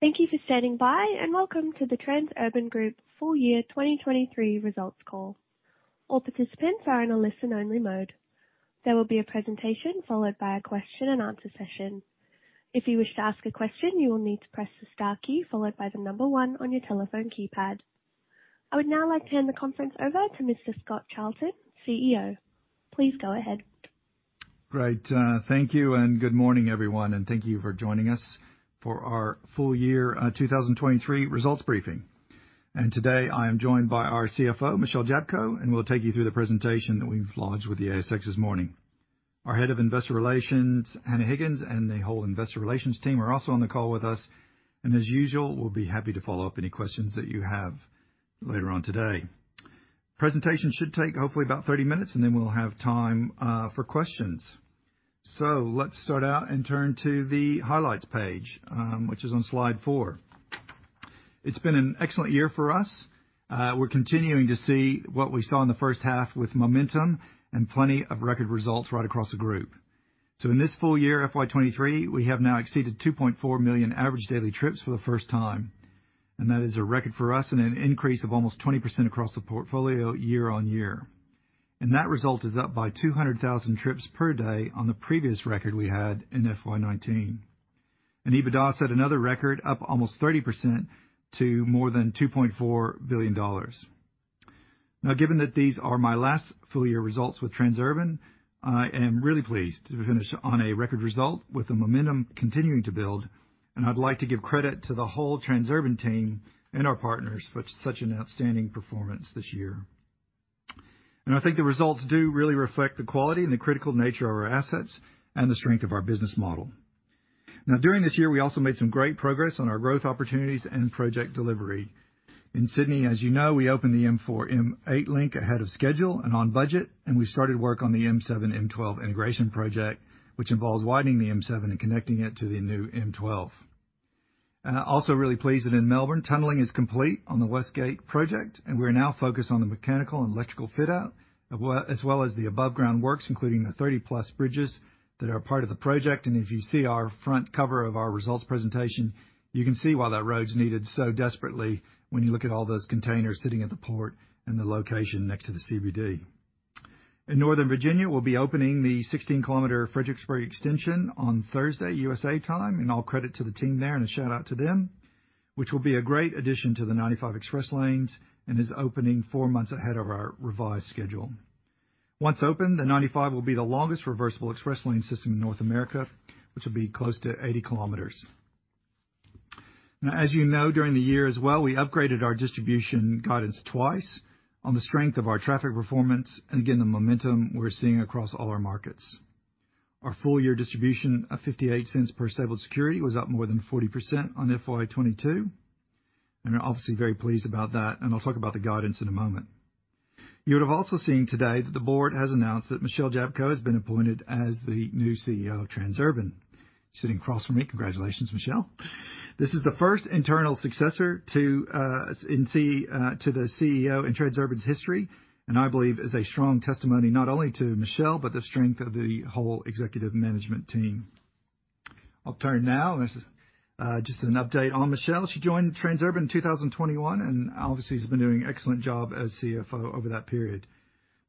Thank you for standing by. Welcome to the Transurban Group full year 2023 results call. All participants are in a listen-only mode. There will be a presentation followed by a question and answer session. If you wish to ask a question, you will need to press the star key followed by the 1 on your telephone keypad. I would now like to hand the conference over to Mr. Scott Charlton, CEO. Please go ahead. Great, thank you. Good morning, everyone, and thank you for joining us for our full year 2023 results briefing. Today I am joined by our CFO, Michelle Jablko, and we'll take you through the presentation that we've lodged with the ASX this morning. Our Head of Investor Relations, Hannah Higgins, and the whole Investor Relations team are also on the call with us, and as usual, we'll be happy to follow up any questions that you have later on today. Presentation should take hopefully about 30 minutes, and then we'll have time for questions. Let's start out and turn to the highlights page, which is on slide 4. It's been an excellent year for us. We're continuing to see what we saw in the first half with momentum and plenty of record results right across the group. In this full year, FY23, we have now exceeded 2.4 million average daily trips for the first time, and that is a record for us and an increase of almost 20% across the portfolio year on year. That result is up by 200,000 trips per day on the previous record we had in FY19. EBITDA set another record, up almost 30% to more than 2.4 billion dollars. Now, given that these are my last full year results with Transurban, I am really pleased to finish on a record result with the momentum continuing to build, and I'd like to give credit to the whole Transurban team and our partners for such an outstanding performance this year. I think the results do really reflect the quality and the critical nature of our assets and the strength of our business model. During this year, we also made some great progress on our growth opportunities and project delivery. In Sydney, as you know, we opened the M4-M8 Link ahead of schedule and on budget, and we started work on the M7-M12 Integration Project, which involves widening the M7 and connecting it to the new M12. Also really pleased that in Melbourne, tunneling is complete on the West Gate project and we're now focused on the mechanical and electrical fit out, as well as the aboveground works, including the 30-plus bridges that are part of the project. If you see our front cover of our results presentation, you can see why that road's needed so desperately when you look at all those containers sitting at the port and the location next to the CBD. In Northern Virginia, we'll be opening the 16-kilometer Fredericksburg Extension on Thursday, USA time, and all credit to the team there, and a shout out to them, which will be a great addition to the 95 Express Lanes and is opening 4 months ahead of our revised schedule. Once open, the 95 will be the longest reversible express lane system in North America, which will be close to 80 kilometers. As you know, during the year as well, we upgraded our distribution guidance twice on the strength of our traffic performance, and again, the momentum we're seeing across all our markets. Our full year distribution of 0.58 per stable security was up more than 40% on FY22, and we're obviously very pleased about that, and I'll talk about the guidance in a moment. You would have also seen today that the board has announced that Michelle Jablko has been appointed as the new CEO of Transurban. Sitting across from me. Congratulations, Michelle. This is the first internal successor to the CEO in Transurban's history, and I believe is a strong testimony, not only to Michelle, but the strength of the whole executive management team. I'll turn now, and this is just an update on Michelle. She joined Transurban in 2021, and obviously has been doing an excellent job as CFO over that period.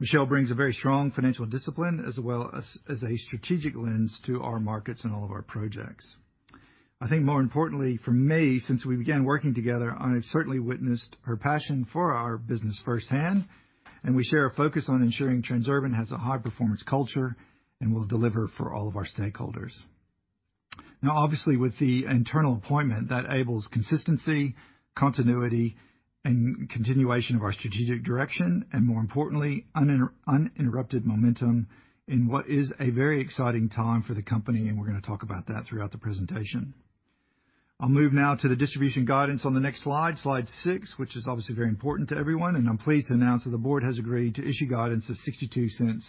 Michelle brings a very strong financial discipline as well as a strategic lens to our markets and all of our projects. I think more importantly for me, since we began working together, I've certainly witnessed her passion for our business firsthand, and we share a focus on ensuring Transurban has a high performance culture and will deliver for all of our stakeholders. Obviously, with the internal appointment, that enables consistency, continuity, and continuation of our strategic direction, and more importantly, uninterrupted momentum in what is a very exciting time for the company, and we're gonna talk about that throughout the presentation. I'll move now to the distribution guidance on the next slide, slide 6, which is obviously very important to everyone. I'm pleased to announce that the board has agreed to issue guidance of 0.62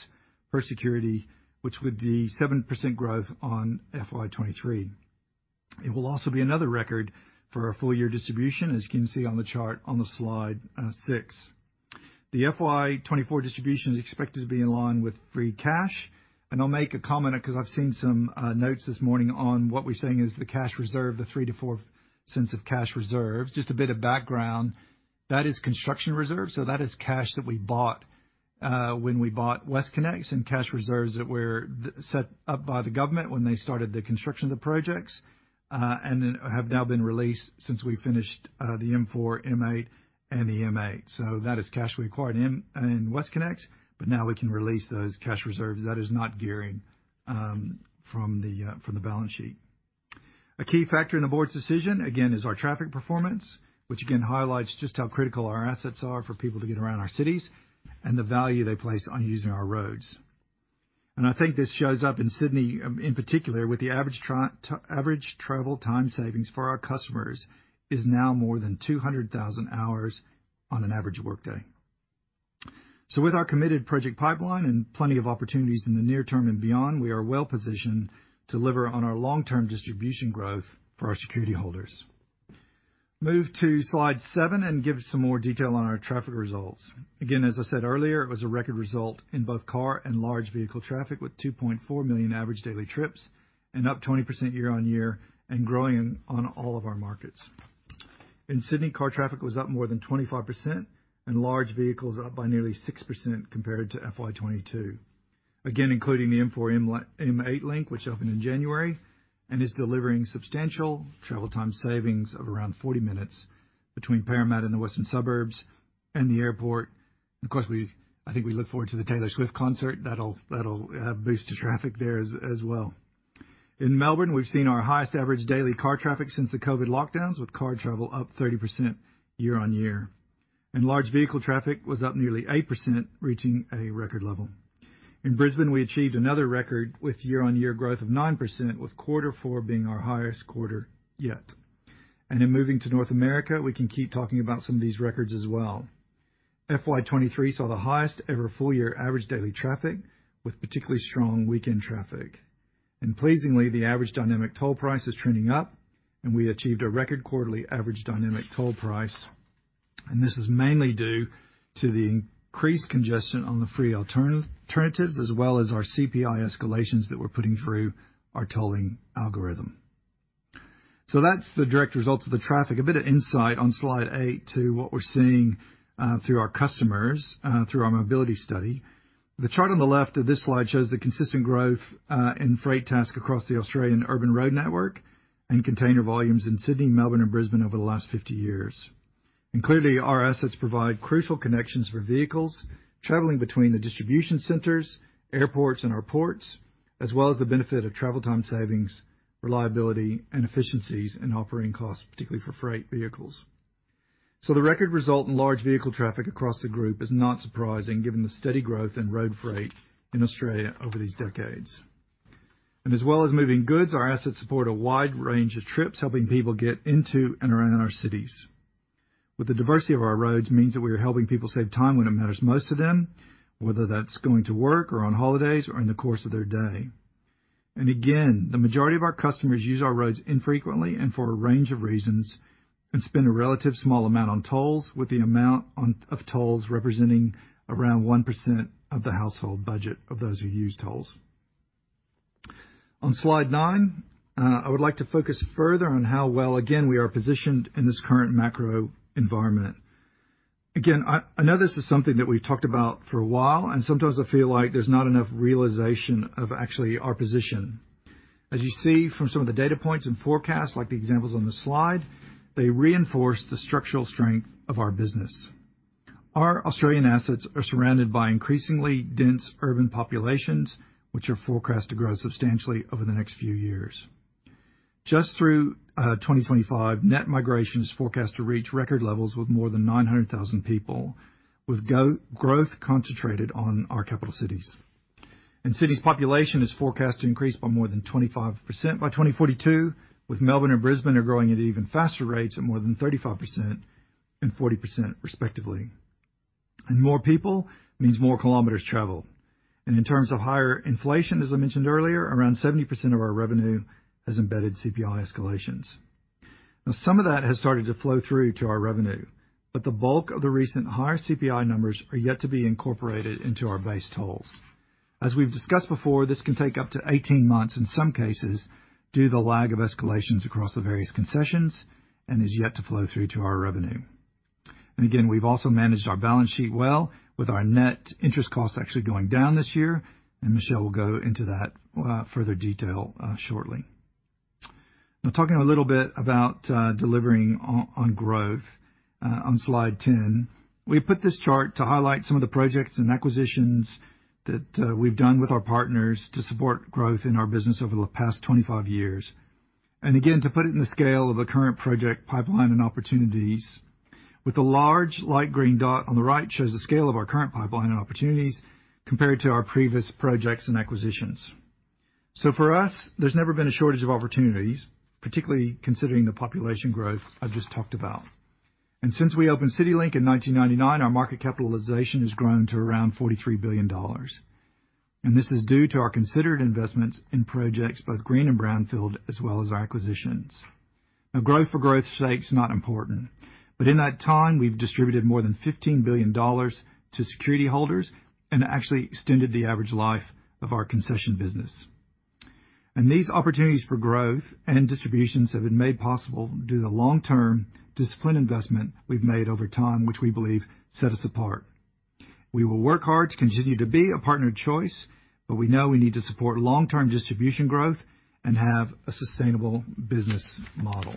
per security, which would be 7% growth on FY23. It will also be another record for our full year distribution, as you can see on the chart on the slide, 6. The FY24 distribution is expected to be in line with free cash. I'll make a comment because I've seen some notes this morning on what we're saying is the cash reserve, the 0.03-0.04 of cash reserve. Just a bit of background. That is construction reserve, that is cash that we bought when we bought WestConnex and cash reserves that were set up by the government when they started the construction of the projects, then have now been released since we finished the M4, M8, and the M8. That is cash we acquired in, in WestConnex, but now we can release those cash reserves. That is not gearing from the balance sheet. A key factor in the board's decision, again, is our traffic performance, which again highlights just how critical our assets are for people to get around our cities and the value they place on using our roads. I think this shows up in Sydney, in particular, with the average travel time savings for our customers is now more than 200,000 hours on an average workday. With our committed project pipeline and plenty of opportunities in the near term and beyond, we are well positioned to deliver on our long-term distribution growth for our security holders. Move to slide seven and give some more detail on our traffic results. As I said earlier, it was a record result in both car and large vehicle traffic, with 2.4 million average daily trips and up 20% year-on-year and growing on all of our markets. In Sydney, car traffic was up more than 25% and large vehicles up by nearly 6% compared to FY22. Including the M4-M8 Link, which opened in January, and is delivering substantial travel time savings of around 40 minutes between Parramatta and the western suburbs and the airport. Of course, I think we look forward to the Taylor Swift concert. That'll, that'll boost the traffic there as well. In Melbourne, we've seen our highest average daily car traffic since the COVID lockdowns, with car travel up 30% year-on-year. Large vehicle traffic was up nearly 8%, reaching a record level. In Brisbane, we achieved another record with year-on-year growth of 9%, with quarter four being our highest quarter yet. In moving to North America, we can keep talking about some of these records as well. FY23 saw the highest ever full year average daily traffic, with particularly strong weekend traffic. Pleasingly, the average dynamic toll price is trending up, and we achieved a record quarterly average dynamic toll price. This is mainly due to the increased congestion on the free alternatives, as well as our CPI escalations that we're putting through our tolling algorithm. That's the direct results of the traffic. A bit of insight on slide 8 to what we're seeing through our customers, through our mobility study. The chart on the left of this slide shows the consistent growth in freight task across the Australian urban road network and container volumes in Sydney, Melbourne, and Brisbane over the last 50 years. Clearly, our assets provide crucial connections for vehicles traveling between the distribution centers, airports, and our ports, as well as the benefit of travel time savings, reliability, and efficiencies in operating costs, particularly for freight vehicles. The record result in large vehicle traffic across the group is not surprising given the steady growth in road freight in Australia over these decades. As well as moving goods, our assets support a wide range of trips, helping people get into and around our cities. With the diversity of our roads means that we are helping people save time when it matters most to them, whether that's going to work or on holidays or in the course of their day. Again, the majority of our customers use our roads infrequently and for a range of reasons, and spend a relative small amount on tolls, with the amount of tolls representing around 1% of the household budget of those who use tolls. On slide 9, I would like to focus further on how well, again, we are positioned in this current macro environment. Again, I know this is something that we've talked about for a while, sometimes I feel like there's not enough realization of actually our position. As you see from some of the data points and forecasts, like the examples on this slide, they reinforce the structural strength of our business. Our Australian assets are surrounded by increasingly dense urban populations, which are forecast to grow substantially over the next few years. Just through 2025, net migration is forecast to reach record levels with more than 900,000 people, with growth concentrated on our capital cities. Sydney's population is forecast to increase by more than 25% by 2042, with Melbourne and Brisbane are growing at even faster rates of more than 35% and 40% respectively. More people means more kilometers traveled. In terms of higher inflation, as I mentioned earlier, around 70% of our revenue has embedded CPI escalations. Some of that has started to flow through to our revenue, but the bulk of the recent higher CPI numbers are yet to be incorporated into our base tolls. As we've discussed before, this can take up to 18 months in some cases, due to the lag of escalations across the various concessions and is yet to flow through to our revenue. Again, we've also managed our balance sheet well, with our net interest costs actually going down this year, and Michelle will go into that further detail shortly. Talking a little bit about delivering on growth on slide 10. We put this chart to highlight some of the projects and acquisitions that we've done with our partners to support growth in our business over the past 25 years. Again, to put it in the scale of the current project, pipeline and opportunities. With the large light green dot on the right shows the scale of our current pipeline and opportunities compared to our previous projects and acquisitions. For us, there's never been a shortage of opportunities, particularly considering the population growth I've just talked about. Since we opened CityLink in 1999, our market capitalization has grown to around 43 billion dollars, and this is due to our considered investments in projects both green and brownfield, as well as acquisitions. Growth for growth's sake is not important, but in that time, we've distributed more than 15 billion dollars to security holders and actually extended the average life of our concession business. These opportunities for growth and distributions have been made possible due to the long-term disciplined investment we've made over time, which we believe set us apart. We will work hard to continue to be a partner of choice, but we know we need to support long-term distribution growth and have a sustainable business model.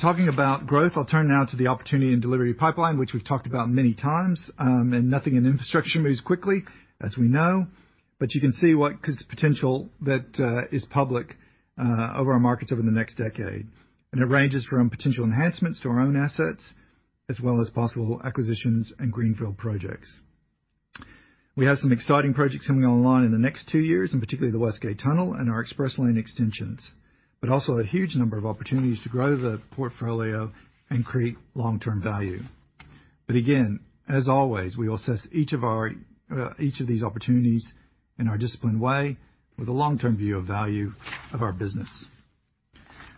Talking about growth, I'll turn now to the opportunity and delivery pipeline, which we've talked about many times, nothing in infrastructure moves quickly, as we know, but you can see what potential that is public over our markets over the next decade. It ranges from potential enhancements to our own assets, as well as possible acquisitions and greenfield projects. We have some exciting projects coming online in the next two years, and particularly the West Gate Tunnel and our express lane extensions, but also a huge number of opportunities to grow the portfolio and create long-term value. Again, as always, we will assess each of our, each of these opportunities in our disciplined way with a long-term view of value of our business.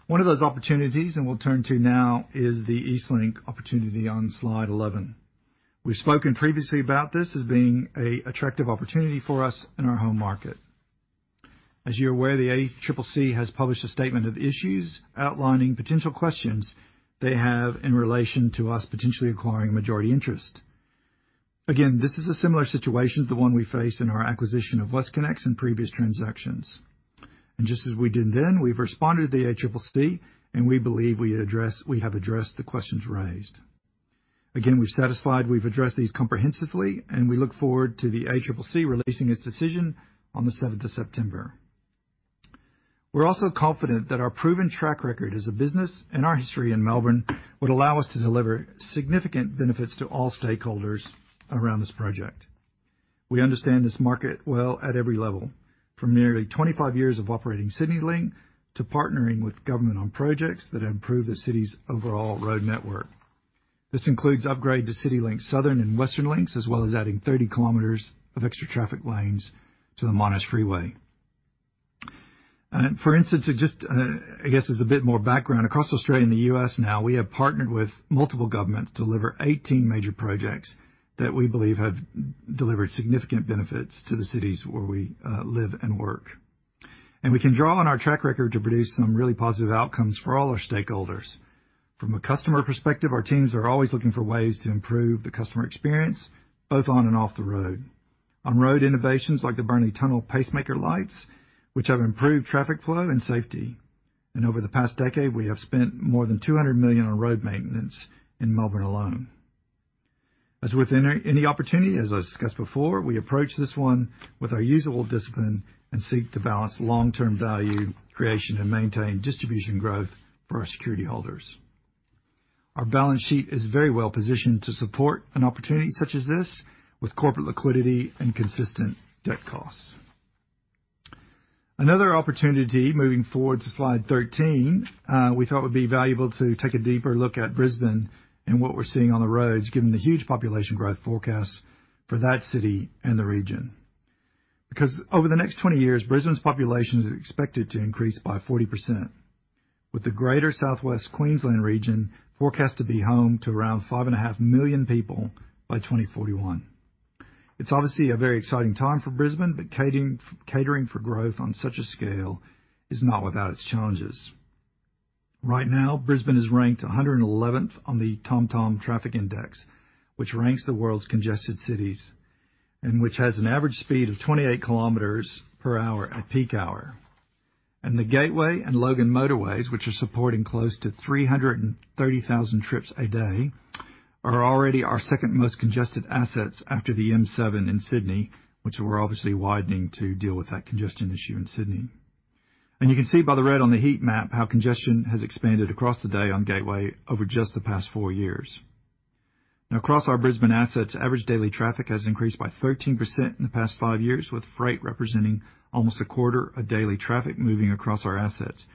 One of those opportunities, and we'll turn to now, is the EastLink opportunity on slide 11. We've spoken previously about this as being a attractive opportunity for us in our home market. As you're aware, the ACCC has published a statement of issues outlining potential questions they have in relation to us potentially acquiring a majority interest. Again, this is a similar situation to the one we faced in our acquisition of WestConnex in previous transactions. Just as we did then, we've responded to the ACCC, and we believe we have addressed the questions raised. Again, we're satisfied we've addressed these comprehensively, and we look forward to the ACCC releasing its decision on the seventh of September. We're also confident that our proven track record as a business and our history in Melbourne would allow us to deliver significant benefits to all stakeholders around this project. We understand this market well at every level, from nearly 25 years of operating CityLink to partnering with government on projects that improve the city's overall road network. This includes upgrade to CityLink, Southern and Western Links, as well as adding 30 kilometers of extra traffic lanes to the Monash Freeway. For instance, it just... I guess, as a bit more background, across Australia and the US now, we have partnered with multiple governments to deliver 18 major projects that we believe have delivered significant benefits to the cities where we live and work. We can draw on our track record to produce some really positive outcomes for all our stakeholders. From a customer perspective, our teams are always looking for ways to improve the customer experience, both on and off the road. On-road innovations like the Burnley Tunnel Pacemaker lights, which have improved traffic flow and safety. Over the past decade, we have spent more than 200 million on road maintenance in Melbourne alone. As with any, any opportunity, as I discussed before, we approach this one with our usual discipline and seek to balance long-term value creation and maintain distribution growth for our security holders. Our balance sheet is very well positioned to support an opportunity such as this, with corporate liquidity and consistent debt costs. Another opportunity, moving forward to slide 13, we thought it would be valuable to take a deeper look at Brisbane and what we're seeing on the roads, given the huge population growth forecasts for that city and the region. Over the next 20 years, Brisbane's population is expected to increase by 40%, with the Greater South East Queensland region forecast to be home to around 5.5 million people by 2041. It's obviously a very exciting time for Brisbane, but catering for growth on such a scale is not without its challenges. Right now, Brisbane is ranked 111th on the TomTom Traffic Index, which ranks the world's congested cities, and which has an average speed of 28 km per hour at peak hour. The Gateway and Logan motorways, which are supporting close to 330,000 trips a day, are already our second most congested assets after the M7 in Sydney, which we're obviously widening to deal with that congestion issue in Sydney. You can see by the red on the heat map how congestion has expanded across the day on Gateway over just the past 4 years. Now, across our Brisbane assets, average daily traffic has increased by 13% in the past 5 years, with freight representing almost a quarter of daily traffic moving across our assets.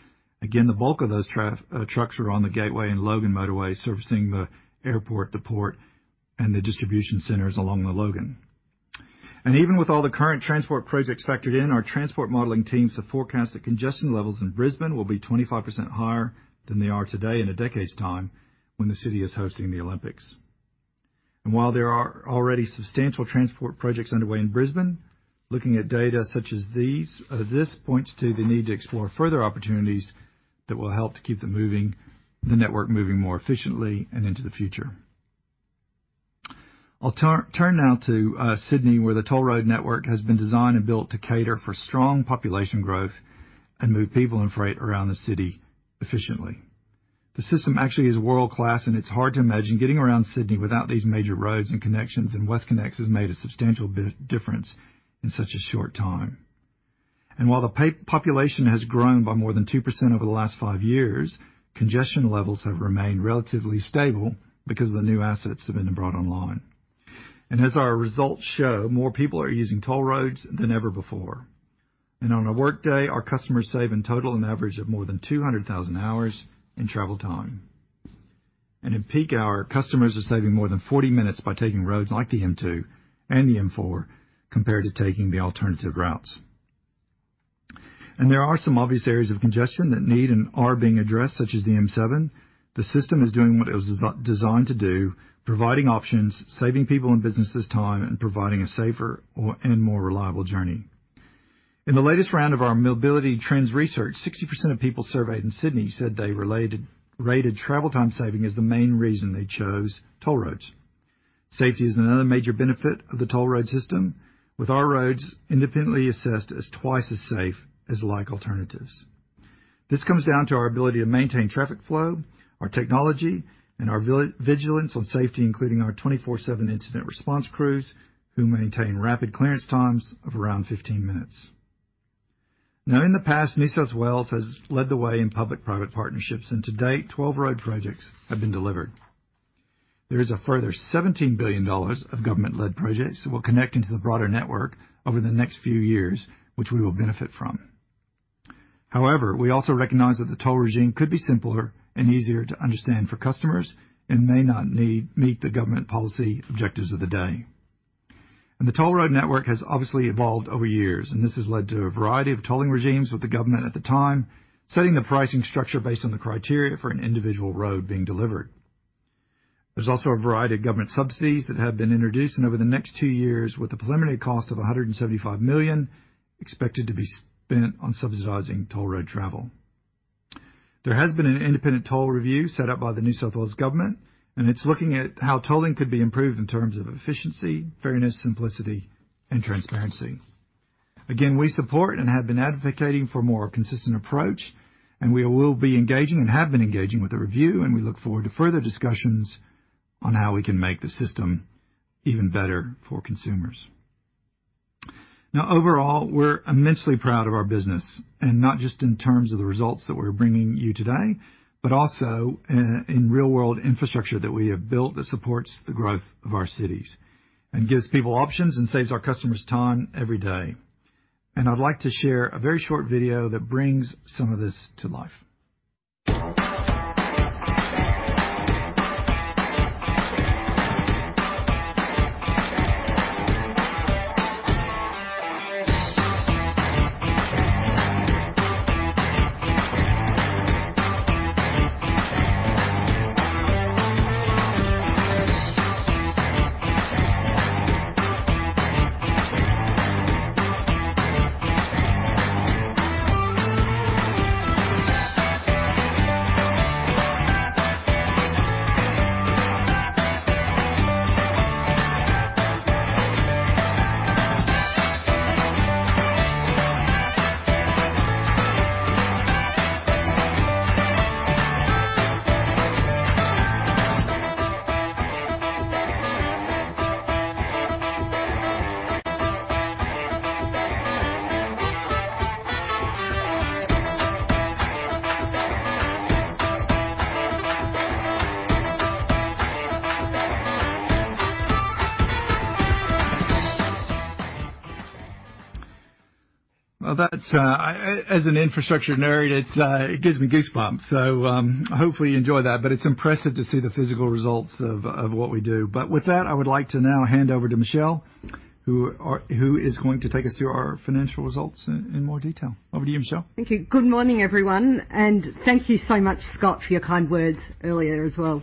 Again, the bulk of those traf- trucks are on the Gateway and Logan Motorways, servicing the airport, the port, and the distribution centers along the Logan. Even with all the current transport projects factored in, our transport modeling teams have forecast that congestion levels in Brisbane will be 25% higher than they are today in a decade's time when the city is hosting the Olympics. While there are already substantial transport projects underway in Brisbane, looking at data such as these, this points to the need to explore further opportunities that will help to keep the moving, the network moving more efficiently and into the future. I'll turn, turn now to Sydney, where the toll road network has been designed and built to cater for strong population growth and move people and freight around the city efficiently. The system actually is world-class, it's hard to imagine getting around Sydney without these major roads and connections, WestConnex has made a substantial difference in such a short time. While the population has grown by more than 2% over the last 5 years, congestion levels have remained relatively stable because the new assets have been brought online. As our results show, more people are using toll roads than ever before. On a workday, our customers save, in total, an average of more than 200,000 hours in travel time. In peak hour, customers are saving more than 40 minutes by taking roads like the M2 and the M4, compared to taking the alternative routes. There are some obvious areas of congestion that need and are being addressed, such as the M7. The system is doing what it was designed to do, providing options, saving people and businesses time, and providing a safer, and more reliable journey. In the latest round of our mobility trends research, 60% of people surveyed in Sydney said they rated travel time saving as the main reason they chose toll roads. Safety is another major benefit of the toll road system, with our roads independently assessed as twice as safe as like alternatives. This comes down to our ability to maintain traffic flow, our technology, and our vigilance on safety, including our 24/7 incident response crews, who maintain rapid clearance times of around 15 minutes. In the past, New South Wales has led the way in public-private partnerships, and to date, 12 road projects have been delivered. There is a further $17 billion of government-led projects that will connect into the broader network over the next few years, which we will benefit from. However, we also recognize that the toll regime could be simpler and easier to understand for customers and may not meet the government policy objectives of the day. The toll road network has obviously evolved over years, and this has led to a variety of tolling regimes, with the government at the time setting the pricing structure based on the criteria for an individual road being delivered. There's also a variety of government subsidies that have been introduced, and over the next two years, with the preliminary cost of $175 million expected to be spent on subsidizing toll road travel. There has been an independent toll review set up by the New South Wales Government, it's looking at how tolling could be improved in terms of efficiency, fairness, simplicity, and transparency. Again, we support and have been advocating for a more consistent approach, we will be engaging and have been engaging with the review, and we look forward to further discussions on how we can make the system even better for consumers. Overall, we're immensely proud of our business, and not just in terms of the results that we're bringing you today, but also in real-world infrastructure that we have built that supports the growth of our cities and gives people options and saves our customers time every day. I'd like to share a very short video that brings some of this to life. That's... As an infrastructure nerd, it gives me goosebumps. Hopefully you enjoy that, it's impressive to see the physical results of what we do. With that, I would like to now hand over to Michelle, who is going to take us through our financial results in more detail. Over to you, Michelle. Thank you. Good morning, everyone, and thank you so much, Scott, for your kind words earlier as well.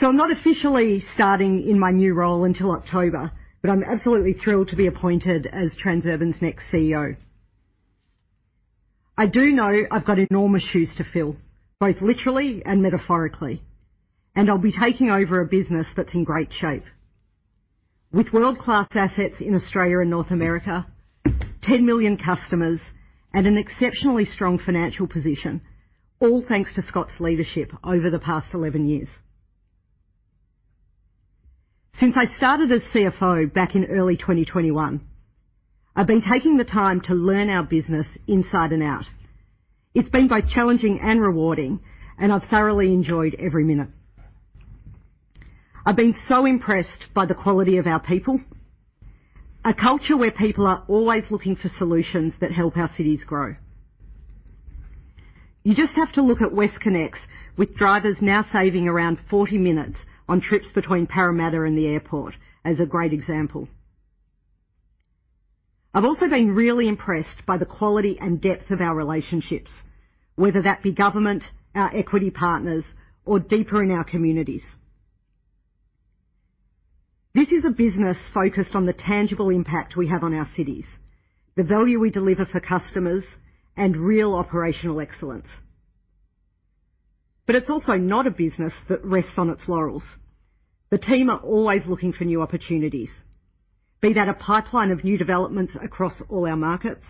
I'm not officially starting in my new role until October, but I'm absolutely thrilled to be appointed as Transurban's next CEO. I do know I've got enormous shoes to fill, both literally and metaphorically, and I'll be taking over a business that's in great shape. With world-class assets in Australia and North America, 10 million customers, and an exceptionally strong financial position, all thanks to Scott's leadership over the past 11 years. Since I started as CFO back in early 2021, I've been taking the time to learn our business inside and out. It's been both challenging and rewarding, and I've thoroughly enjoyed every minute. I've been so impressed by the quality of our people, a culture where people are always looking for solutions that help our cities grow. You just have to look at WestConnex, with drivers now saving around 40 minutes on trips between Parramatta and the airport, as a great example. I've also been really impressed by the quality and depth of our relationships, whether that be government, our equity partners, or deeper in our communities. This is a business focused on the tangible impact we have on our cities, the value we deliver for customers, and real operational excellence. It's also not a business that rests on its laurels. The team are always looking for new opportunities, be that a pipeline of new developments across all our markets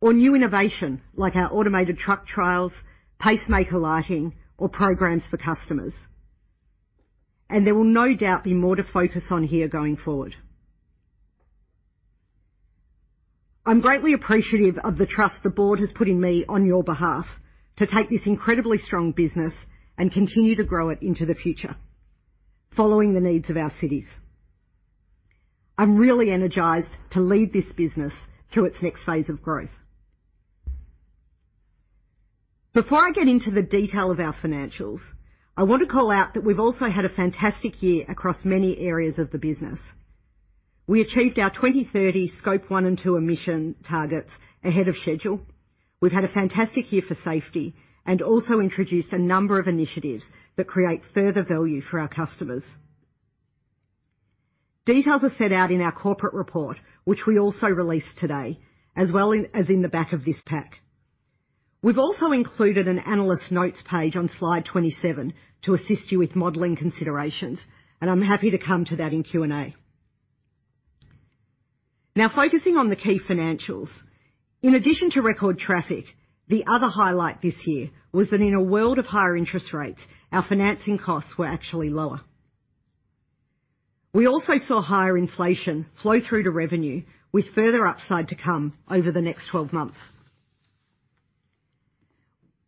or new innovation, like our automated truck trials, pacemaker lighting, or programs for customers. There will no doubt be more to focus on here going forward. I'm greatly appreciative of the trust the board has put in me on your behalf to take this incredibly strong business and continue to grow it into the future, following the needs of our cities. I'm really energized to lead this business through its next phase of growth. Before I get into the detail of our financials, I want to call out that we've also had a fantastic year across many areas of the business. We achieved our 2030 Scope 1 and 2 emission targets ahead of schedule. We've had a fantastic year for safety and also introduced a number of initiatives that create further value for our customers. Details are set out in our corporate report, which we also released today, as well as in the back of this pack. We've also included an analyst notes page on slide 27 to assist you with modeling considerations, and I'm happy to come to that in Q&A. Now, focusing on the key financials. In addition to record traffic, the other highlight this year was that in a world of higher interest rates, our financing costs were actually lower. We also saw higher inflation flow through to revenue, with further upside to come over the next 12 months.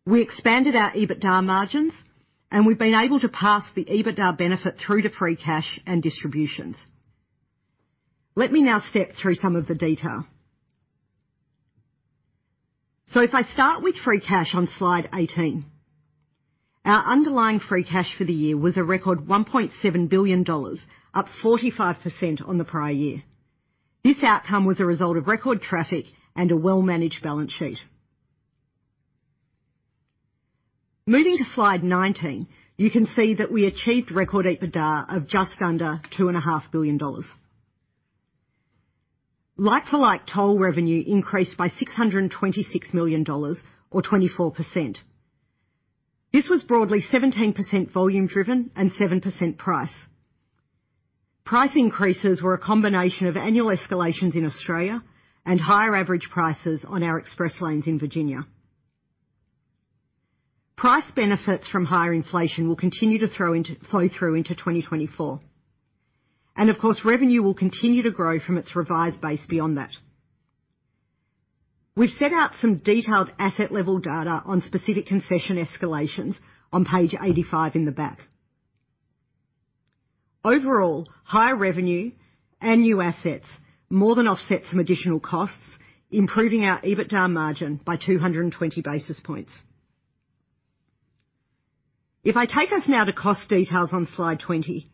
We expanded our EBITDA margins, and we've been able to pass the EBITDA benefit through to free cash and distributions. Let me now step through some of the detail. If I start with free cash on slide 18, our underlying free cash for the year was a record 1.7 billion dollars, up 45% on the prior year. This outcome was a result of record traffic and a well-managed balance sheet. Moving to slide 19, you can see that we achieved record EBITDA of just under 2.5 billion dollars. Like-for-like toll revenue increased by 626 million dollars or 24%. This was broadly 17% volume driven and 7% price. Price increases were a combination of annual escalations in Australia and higher average prices on our express lanes in Virginia. Price benefits from higher inflation will continue to flow through into 2024, and of course, revenue will continue to grow from its revised base beyond that. We've set out some detailed asset level data on specific concession escalations on page 85 in the back. Overall, higher revenue and new assets more than offset some additional costs, improving our EBITDA margin by 220 basis points. If I take us now to cost details on slide 20,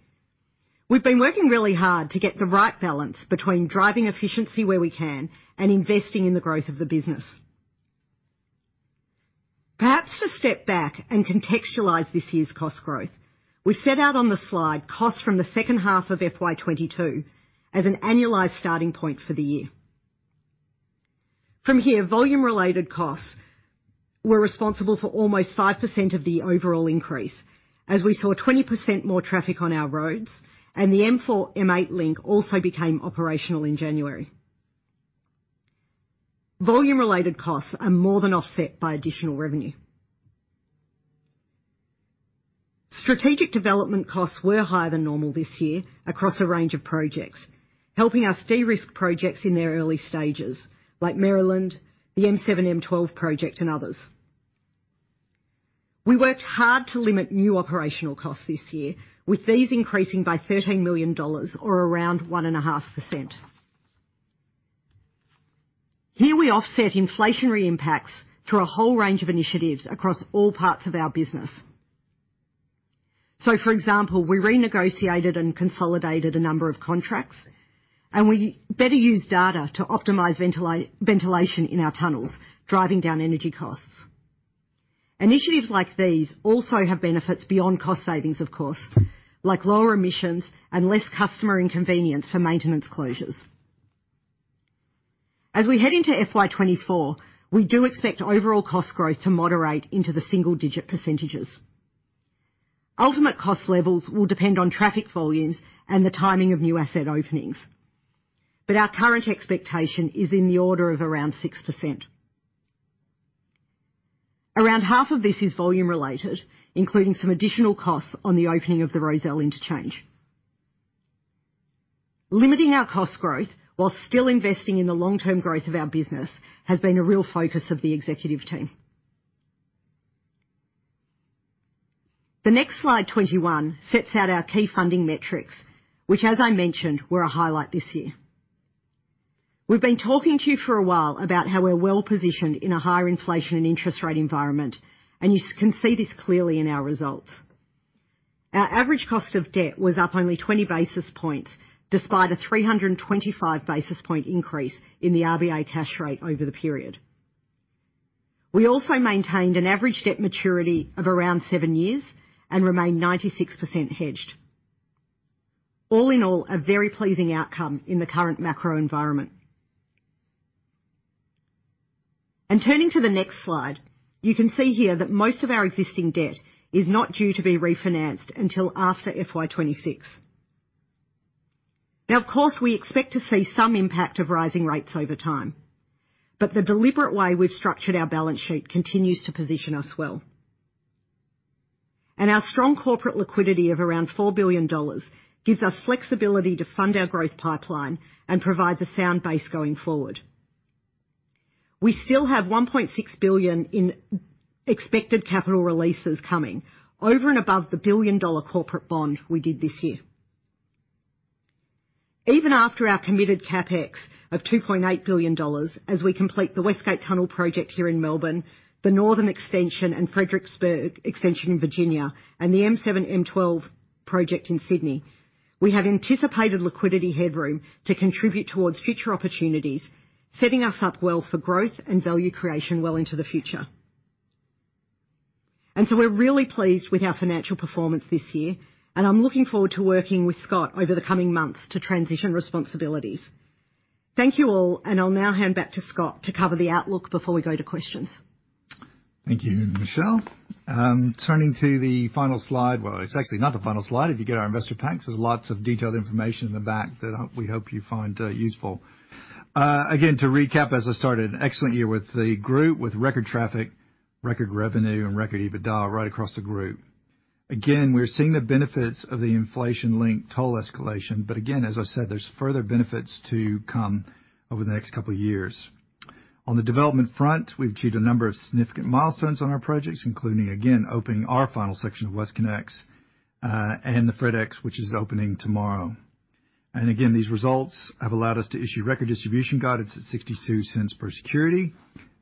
we've been working really hard to get the right balance between driving efficiency where we can and investing in the growth of the business. Perhaps to step back and contextualize this year's cost growth, we've set out on the slide costs from the second half of FY22 as an annualized starting point for the year. From here, volume-related costs were responsible for almost 5% of the overall increase, as we saw 20% more traffic on our roads, and the M4-M8 Link also became operational in January. Volume-related costs are more than offset by additional revenue. Strategic development costs were higher than normal this year across a range of projects, helping us de-risk projects in their early stages, like Maryland, the M7-M12 project, and others. We worked hard to limit new operational costs this year, with these increasing by 13 million dollars or around 1.5%. Here we offset inflationary impacts through a whole range of initiatives across all parts of our business. For example, we renegotiated and consolidated a number of contracts, and we better used data to optimize ventilation in our tunnels, driving down energy costs. Initiatives like these also have benefits beyond cost savings, of course, like lower emissions and less customer inconvenience for maintenance closures. As we head into FY24, we do expect overall cost growth to moderate into the single-digit %. Ultimate cost levels will depend on traffic volumes and the timing of new asset openings, but our current expectation is in the order of around 6%. Around half of this is volume-related, including some additional costs on the opening of the Rozelle Interchange. Limiting our cost growth while still investing in the long-term growth of our business has been a real focus of the executive team. The next slide, 21, sets out our key funding metrics, which, as I mentioned, were a highlight this year. We've been talking to you for a while about how we're well-positioned in a higher inflation and interest rate environment, you can see this clearly in our results. Our average cost of debt was up only 20 basis points, despite a 325 basis point increase in the RBA cash rate over the period. We also maintained an average debt maturity of around 7 years and remained 96% hedged. All in all, a very pleasing outcome in the current macro environment. Turning to the next slide, you can see here that most of our existing debt is not due to be refinanced until after FY26. Now, of course, we expect to see some impact of rising rates over time, but the deliberate way we've structured our balance sheet continues to position us well. Our strong corporate liquidity of around 4 billion dollars gives us flexibility to fund our growth pipeline and provides a sound base going forward. We still have 1.6 billion in expected capital releases coming over and above the 1 billion dollar corporate bond we did this year. Even after our committed CapEx of $2.8 billion, as we complete the West Gate Tunnel Project here in Melbourne, the Northern Extension and Fredericksburg Extension in Virginia, and the M7-M12 project in Sydney, we have anticipated liquidity headroom to contribute towards future opportunities, setting us up well for growth and value creation well into the future. So we're really pleased with our financial performance this year, and I'm looking forward to working with Scott over the coming months to transition responsibilities. Thank you all, and I'll now hand back to Scott to cover the outlook before we go to questions. Thank you, Michelle. Turning to the final slide... Well, it's actually not the final slide. If you get our investor packs, there's lots of detailed information in the back that we hope you find useful. Again, to recap, as I started, an excellent year with the group, with record traffic, record revenue, and record EBITDA right across the group.... Again, we're seeing the benefits of the inflation-linked toll escalation. Again, as I said, there's further benefits to come over the next couple of years. On the development front, we've achieved a number of significant milestones on our projects, including, again, opening our final section of WestConnex and the FredEx, which is opening tomorrow. Again, these results have allowed us to issue record distribution guidance at 0.62 per security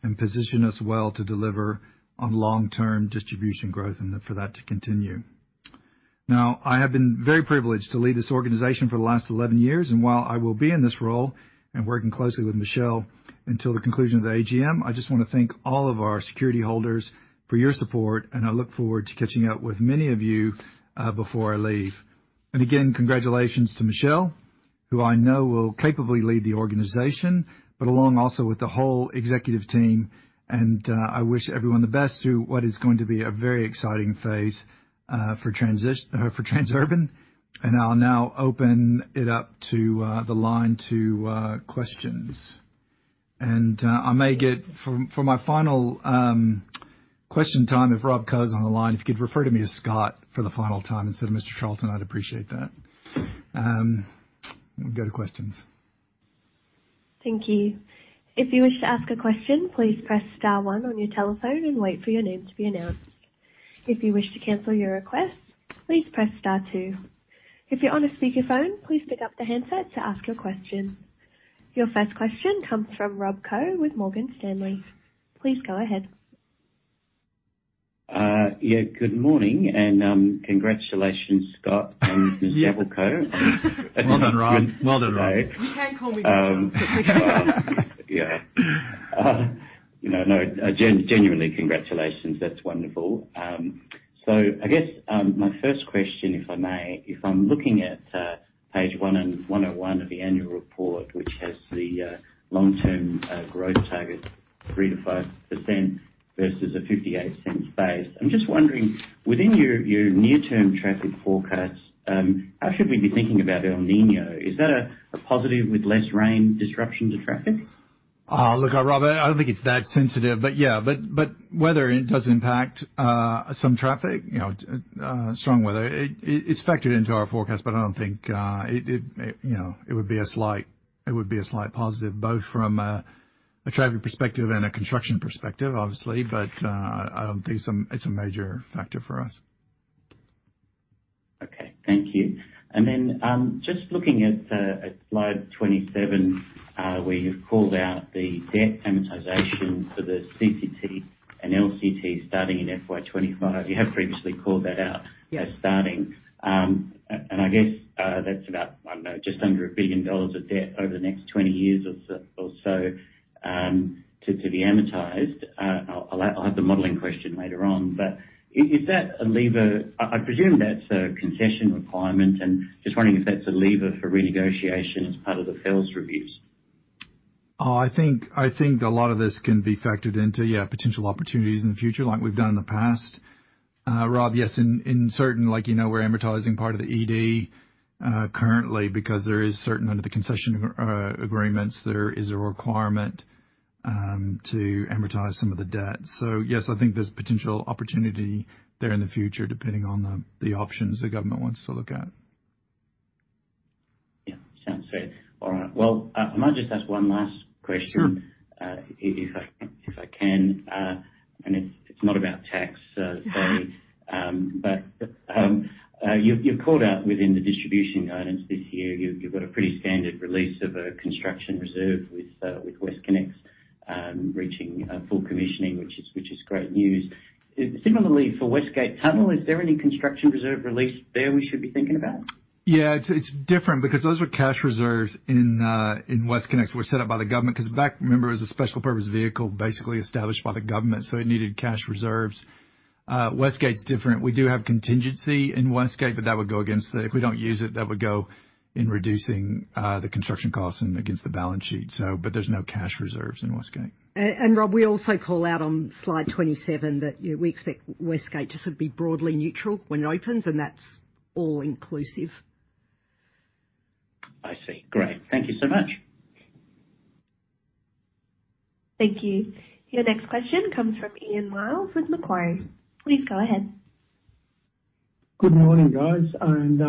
and position us well to deliver on long-term distribution growth and for that to continue. I have been very privileged to lead this organization for the last 11 years, and while I will be in this role and working closely with Michelle until the conclusion of the AGM, I just wanna thank all of our security holders for your support, and I look forward to catching up with many of you before I leave. Again, congratulations to Michelle, who I know will capably lead the organization, but along also with the whole executive team. I wish everyone the best through what is going to be a very exciting phase for Transurban. I'll now open it up to the line to questions. I may get for, for my final, question time, if Rob Koh. is on the line, if you'd refer to me as Scott for the final time, instead of Mr. Charlton, I'd appreciate that. We'll go to questions. Thank you. If you wish to ask a question, please press star one on your telephone and wait for your name to be announced. If you wish to cancel your request, please press star two. If you're on a speakerphone, please pick up the handset to ask your question. Your first question comes from Rob Koh. with Morgan Stanley. Please go ahead. Yeah, good morning, and congratulations, Scott and Michelle as well. Well done, Rob. Well done, Rob. You can call me Michelle. Yeah. You know, no, genuinely, congratulations. That's wonderful. I guess, my first question, if I may, if I'm looking at page 101 of the annual report, which has the long-term growth target, 3%-5% versus a 58 cent base. I'm just wondering, within your near-term traffic forecasts, how should we be thinking about El Niño? Is that a positive with less rain disruption to traffic? Look, Rob, I don't think it's that sensitive. Yeah, but weather, it does impact some traffic, you know, strong weather. It's factored into our forecast. I don't think, you know, it would be a slight positive, both from a traffic perspective and a construction perspective, obviously. I don't think it's a major factor for us. Okay. Thank you. Just looking at slide 27, where you've called out the debt amortization for the CCT and LCT starting in FY25. You have previously called that out... Yes -as starting. I guess, that's about, I don't know, just under 1 billion dollars of debt over the next 20 years or so, or so, to, to be amortized. I'll, I'll have the modeling question later on, but is, is that a lever? I, I presume that's a concession requirement, and just wondering if that's a lever for renegotiation as part of the toll reviews. I think, I think a lot of this can be factored into, yeah, potential opportunities in the future like we've done in the past. Rob, yes, in, in certain, like, you know, we're amortizing part of the ED, currently, because there is certain under the concession agreements, there is a requirement to amortize some of the debt. Yes, I think there's potential opportunity there in the future, depending on the, the options the government wants to look at. Yeah. Sounds fair. All right. Well, I might just ask one last question- Sure if I, if I can. It's, it's not about tax, but you've, you've called out within the distribution guidance this year, you've, you've got a pretty standard release of a construction reserve with WestConnex reaching full commissioning, which is, which is great news. Similarly for West Gate Tunnel, is there any construction reserve released there we should be thinking about? Yeah, it's, it's different because those were cash reserves in, in WestConnex, were set up by the government, because back, remember, it was a special purpose vehicle, basically established by the government, so it needed cash reserves. West Gate's different. We do have contingency in West Gate, but that would go against the... If we don't use it, that would go in reducing, the construction costs and against the balance sheet. There's no cash reserves in West Gate. Rob, we also call out on slide 27 that, you know, we expect West Gate to sort of be broadly neutral when it opens, and that's all inclusive. I see. Great. Thank you so much. Thank you. Your next question comes from Ian Myles with Macquarie. Please go ahead. Good morning, guys, and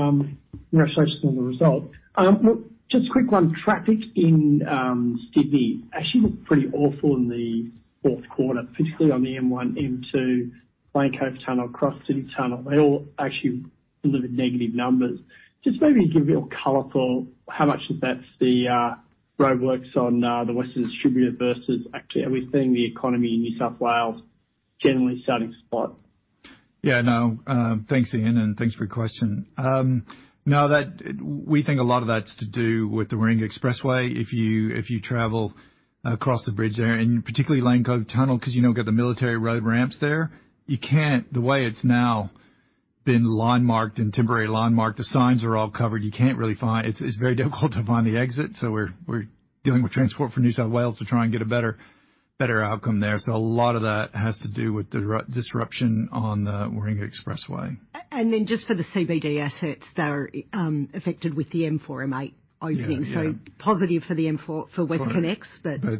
congratulations on the result. Well, just a quick one. Traffic in Sydney actually looked pretty awful in the fourth quarter, particularly on the M1, M2, Lane Cove Tunnel, Cross City Tunnel. They all actually delivered negative numbers. Just maybe give a little color for how much of that's the roadworks on the Western Distributor versus actually are we seeing the economy in New South Wales generally starting to spot? Yeah, no. Thanks, Ian, and thanks for your question. Now that we think a lot of that's to do with the Warringah Freeway. If you, if you travel across the bridge there, and particularly Lane Cove Tunnel, because you don't get the Military Road ramps there, you can't. The way it's now been line marked and temporary line marked, the signs are all covered. You can't really find. It's, it's very difficult to find the exit. We're, we're dealing with Transport for New South Wales to try and get a better, better outcome there. A lot of that has to do with the disruption on the Warringah Freeway. Then just for the CBD assets that are affected with the M4-M8 opening. Yeah, yeah. Positive for the M4, for WestConnex.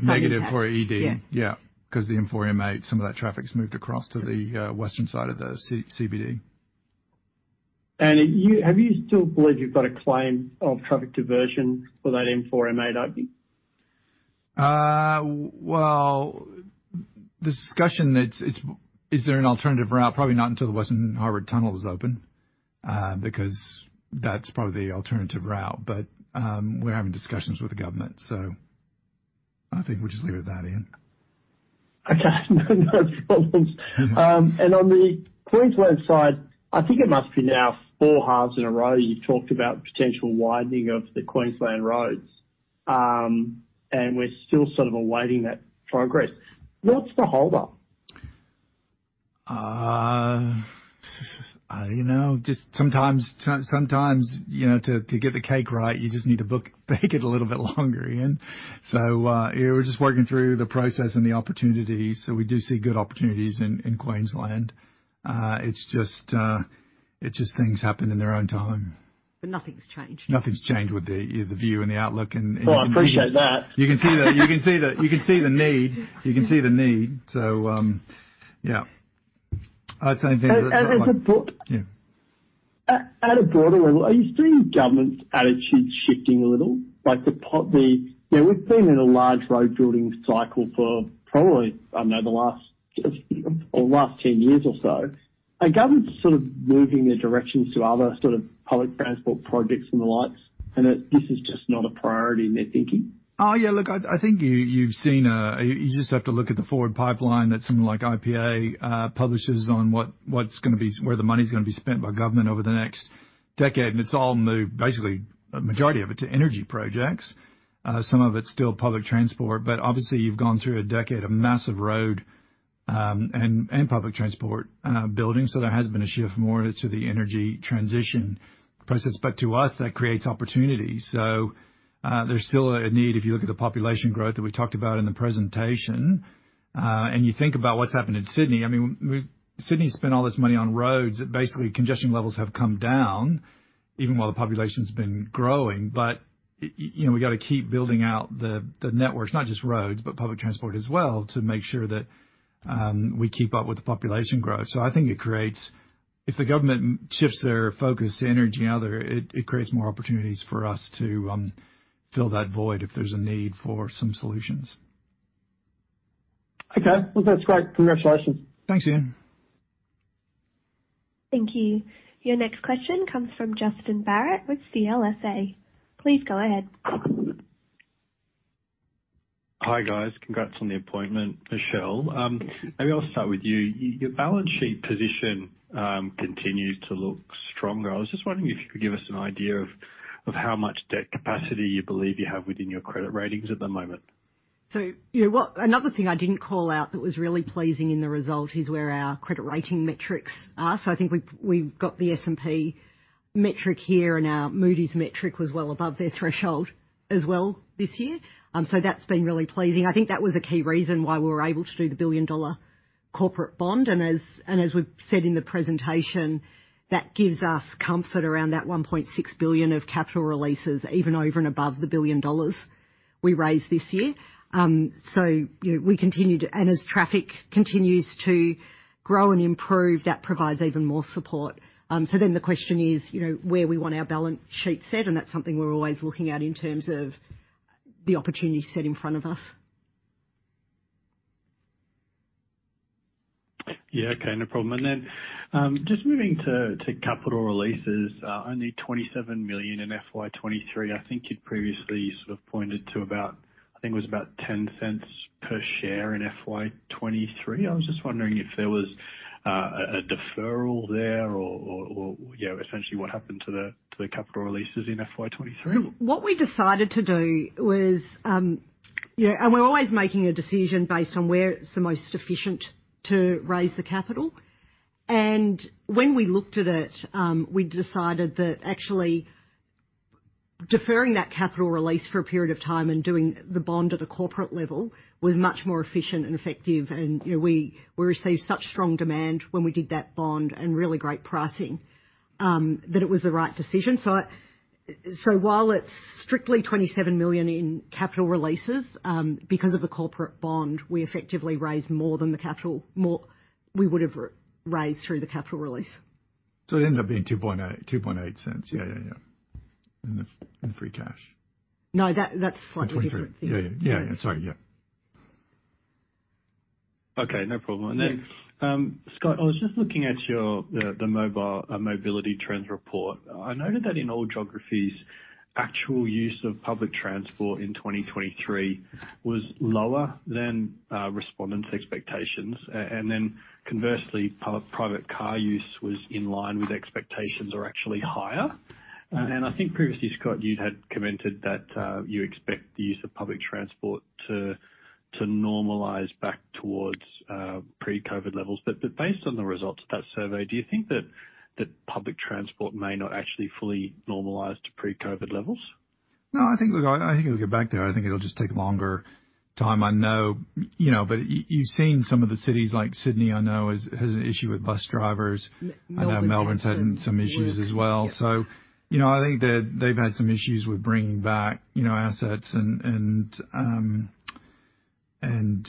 Negative for ED. Yeah. Yeah, because the M4-M8, some of that traffic's moved across to the western side of the CBD. ... you, have you still believe you've got a claim of traffic diversion for that M4-M8 opening? Well, the discussion, is there an alternative route? Probably not until the Western Harbour Tunnel is open, because that's probably the alternative route. We're having discussions with the government, I think we'll just leave it at that, E&P. Okay, no problems. On the Queensland side, I think it must be now 4 halves in a row, you've talked about potential widening of the Queensland roads. We're still sort of awaiting that progress. What's the hold up? I don't know. Just sometimes, sometimes, you know, to, to get the cake right, you just need to book, bake it a little bit longer, E&P. We're just working through the process and the opportunities. We do see good opportunities in, in Queensland. It's just, it's just things happen in their own time. Nothing's changed. Nothing's changed with the view and the outlook. Well, I appreciate that. You can see the need. You can see the need. Yeah. At, at a bro- Yeah. At a broader level, are you seeing governments' attitude shifting a little? Like the... You know, we've been in a large road building cycle for probably, I don't know, the last, last 10 years or so. Are governments sort of moving their directions to other sort of public transport projects and the likes, and that this is just not a priority in their thinking? Oh, yeah, look, I, I think you, you've seen you just have to look at the forward pipeline that someone like IPA publishes on what, what's gonna be, where the money's gonna be spent by government over the next decade. It's all moved, basically, a majority of it, to energy projects. Some of it's still public transport, obviously, you've gone through a decade of massive road, and, and public transport building. There has been a shift more to the energy transition process. To us, that creates opportunity. There's still a need, if you look at the population growth that we talked about in the presentation, and you think about what's happened in Sydney. I mean, Sydney spent all this money on roads. Basically, congestion levels have come down even while the population's been growing. You know, we got to keep building out the, the networks, not just roads, but public transport as well, to make sure that we keep up with the population growth. I think it creates. If the government shifts their focus to energy and other, it, it creates more opportunities for us to fill that void if there's a need for some solutions. Okay. Well, that's great. Congratulations. Thanks, E&P. Thank you. Your next question comes from Justin Barratt with CLSA. Please go ahead. Hi, guys. Congrats on the appointment, Michelle. Maybe I'll start with you. Your balance sheet position continues to look stronger. I was just wondering if you could give us an idea of, of how much debt capacity you believe you have within your credit ratings at the moment. You know what? Another thing I didn't call out that was really pleasing in the result is where our credit rating metrics are. I think we've, we've got the S&P metric here, and our Moody's metric was well above their threshold as well this year. That's been really pleasing. I think that was a key reason why we were able to do the 1 billion dollar corporate bond. As, and as we've said in the presentation, that gives us comfort around that 1.6 billion of capital releases, even over and above the 1 billion dollars we raised this year. You know, we continue to-- and as traffic continues to grow and improve, that provides even more support. The question is, you know, where we want our balance sheet set, and that's something we're always looking at in terms of the opportunity set in front of us. Yeah, okay. No problem. Just moving to capital releases, only 27 million in FY23. I think you'd previously sort of pointed to about, I think it was about 0.10 per share in FY23. I was just wondering if there was a deferral there or, you know, essentially what happened to the capital releases in FY23? What we decided to do was, yeah, and we're always making a decision based on where it's the most efficient to raise the capital. When we looked at it, we decided that actually deferring that capital release for a period of time and doing the bond at a corporate level was much more efficient and effective. You know, we, we received such strong demand when we did that bond and really great pricing, that it was the right decision. While it's strictly 27 million in capital releases, because of the corporate bond, we effectively raised more than the capital more... We would have r- raised through the capital release. it ended up being 0.028, 0.028. Yeah, yeah, yeah, in the, in the free cash. No, that, that's slightly different. Yeah, yeah. Yeah, yeah. Sorry, yeah. Okay, no problem. Yeah. Scott, I was just looking at your, the, the mobile mobility trends report. I noted that in all geographies, actual use of public transport in 2023 was lower than respondents' expectations. Conversely, private car use was in line with expectations or actually higher. Mm. I think previously, Scott, you had commented that you expect the use of public transport to normalize back towards pre-COVID levels. Based on the results of that survey, do you think that public transport may not actually fully normalize to pre-COVID levels? No, I think, look, I think it'll get back there. I think it'll just take longer time. I know, you know, but you've seen some of the cities like Sydney, I know, has, has an issue with bus drivers. Yeah, Melbourne- I know Melbourne's had some issues as well. Yeah. You know, I think that they've had some issues with bringing back, you know, assets and, and, and,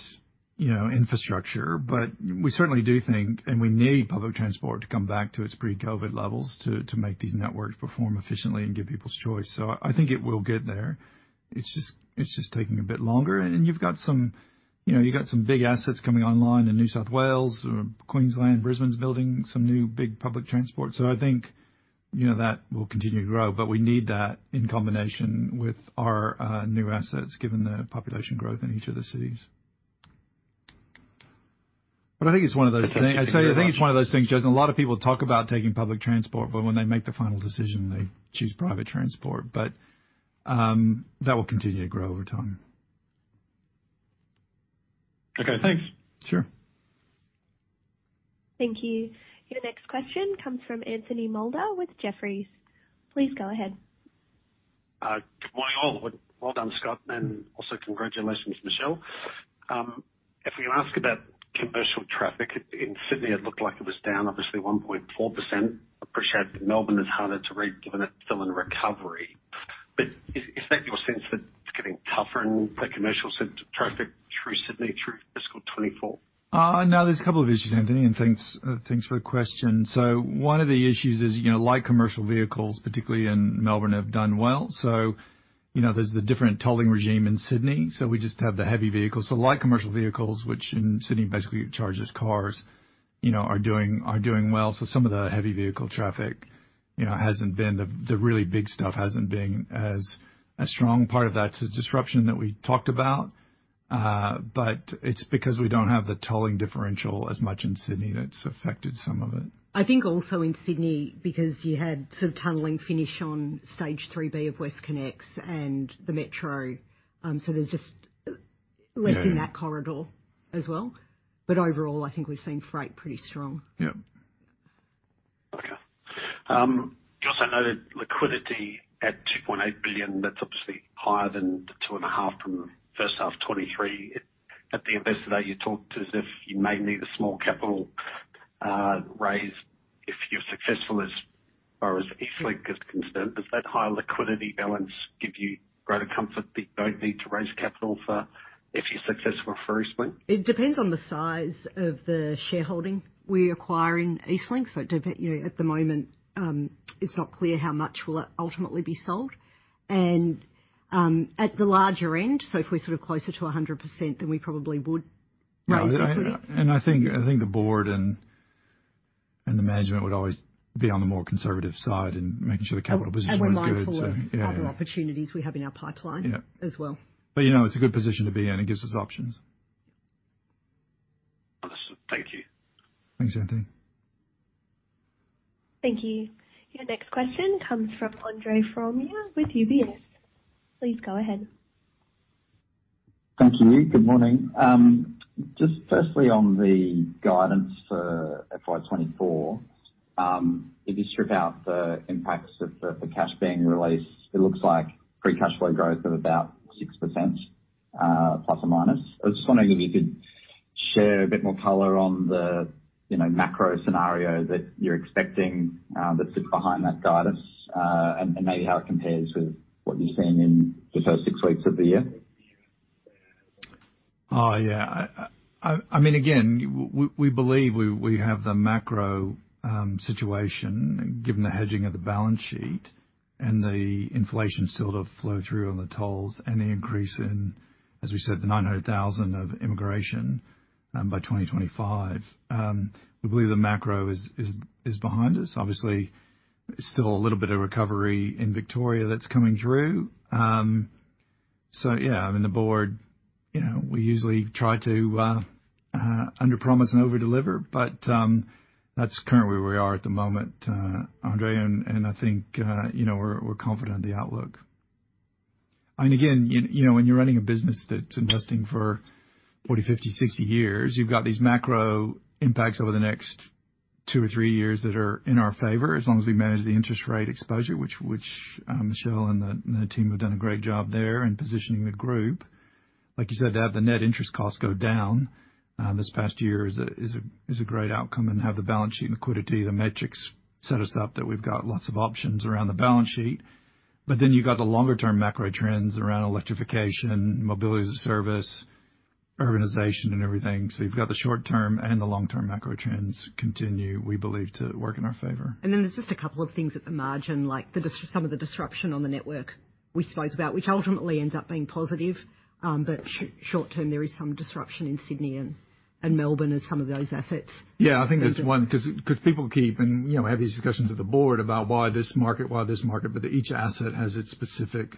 you know, infrastructure, but we certainly do think, and we need public transport to come back to its pre-COVID levels to make these networks perform efficiently and give people choice. I think it will get there. It's just, it's just taking a bit longer. You've got some, you know, you've got some big assets coming online in New South Wales or Queensland. Brisbane's building some new big public transport, so I think, you know, that will continue to grow. We need that in combination with our new assets, given the population growth in each of the cities. I think it's one of those things. I'd say, I think it's one of those things, Jason, a lot of people talk about taking public transport, but when they make the final decision, they choose private transport. That will continue to grow over time. Okay, thanks. Sure. Thank you. Your next question comes from Anthony Moulder with Jefferies. Please go ahead. Good morning, all. Well done, Scott, also congratulations, Michelle. If we ask about commercial traffic in Sydney, it looked like it was down, obviously 1.4%. I appreciate that Melbourne is harder to read, given it's still in recovery, is that your sense that it's getting tougher in the commercial traffic through Sydney through fiscal 2024? No, there's a couple of issues, Anthony, and thanks, thanks for the question. One of the issues is, you know, light commercial vehicles, particularly in Melbourne, have done well. You know, there's the different tolling regime in Sydney, so we just have the heavy vehicles. Light commercial vehicles, which in Sydney basically charges cars, you know, are doing, are doing well. Some of the heavy vehicle traffic, you know, hasn't been the, the really big stuff, hasn't been as, as strong. Part of that's the disruption that we talked about, but it's because we don't have the tolling differential as much in Sydney that's affected some of it. I think also in Sydney, because you had some tunneling finish on Stage 3B of WestConnex and the Metro. There's just. Yeah. in that corridor as well. Overall, I think we've seen freight pretty strong. Yeah. Okay. just so know that liquidity at 2.8 billion, that's obviously higher than the 2.5 from the first half of 2023. At the Investor Day, you talked as if you may need a small capital raise if you're successful as far as EastLink is concerned. Does that high liquidity balance give you greater comfort that you don't need to raise capital for if you're successful for EastLink? It depends on the size of the shareholding we acquire in EastLink. At the moment, it's not clear how much will ultimately be sold. At the larger end, so if we're sort of closer to 100%, then we probably would raise liquidity. I think, I think the board and, and the management would always be on the more conservative side in making sure the capital position was good, so yeah. We're mindful of other opportunities we have in our pipeline. Yeah as well. You know, it's a good position to be in, and it gives us options. Understood. Thank you. Thanks, Anthony. Thank you. Your next question comes from Andre Fromyhr with UBS. Please go ahead. Thank you. Good morning. Just firstly, on the guidance for FY24, if you strip out the impacts of the, the cash being released, it looks like free cash flow growth of about 6% ±. I was just wondering if you could share a bit more color on the, you know, macro scenario that you're expecting, that sits behind that guidance, and, and maybe how it compares with what you've seen in just those six weeks of the year? Oh, yeah. I, I, I mean, again, we believe we, we have the macro situation, given the hedging of the balance sheet and the inflation still to flow through on the tolls and the increase in, as we said, the 900,000 of immigration by 2025. We believe the macro is, is, is behind us. Obviously, still a little bit of recovery in Victoria that's coming through. Yeah, I mean, the board, you know, we usually try to underpromise and overdeliver, but that's currently where we are at the moment, Andre, and I think, you know, we're, we're confident in the outlook. Again, you, you know, when you're running a business that's investing for 40, 50, 60 years, you've got these macro impacts over the next 2 or 3 years that are in our favor, as long as we manage the interest rate exposure, which, which Michelle and the, and the team have done a great job there in positioning the group. Like you said, to have the net interest costs go down this past year is a, is a, is a great outcome, and have the balance sheet liquidity, the metrics set us up that we've got lots of options around the balance sheet. Then you've got the longer term macro trends around electrification, mobility as a service, urbanization and everything. You've got the short term and the long-term macro trends continue, we believe, to work in our favor. Then there's just a couple of things at the margin, like some of the disruption on the network we spoke about, which ultimately ends up being positive. Short term, there is some disruption in Sydney and Melbourne as some of those assets. Yeah, I think that's one because, because people keep, and, you know, we have these discussions with the board about why this market, why this market, but each asset has its specific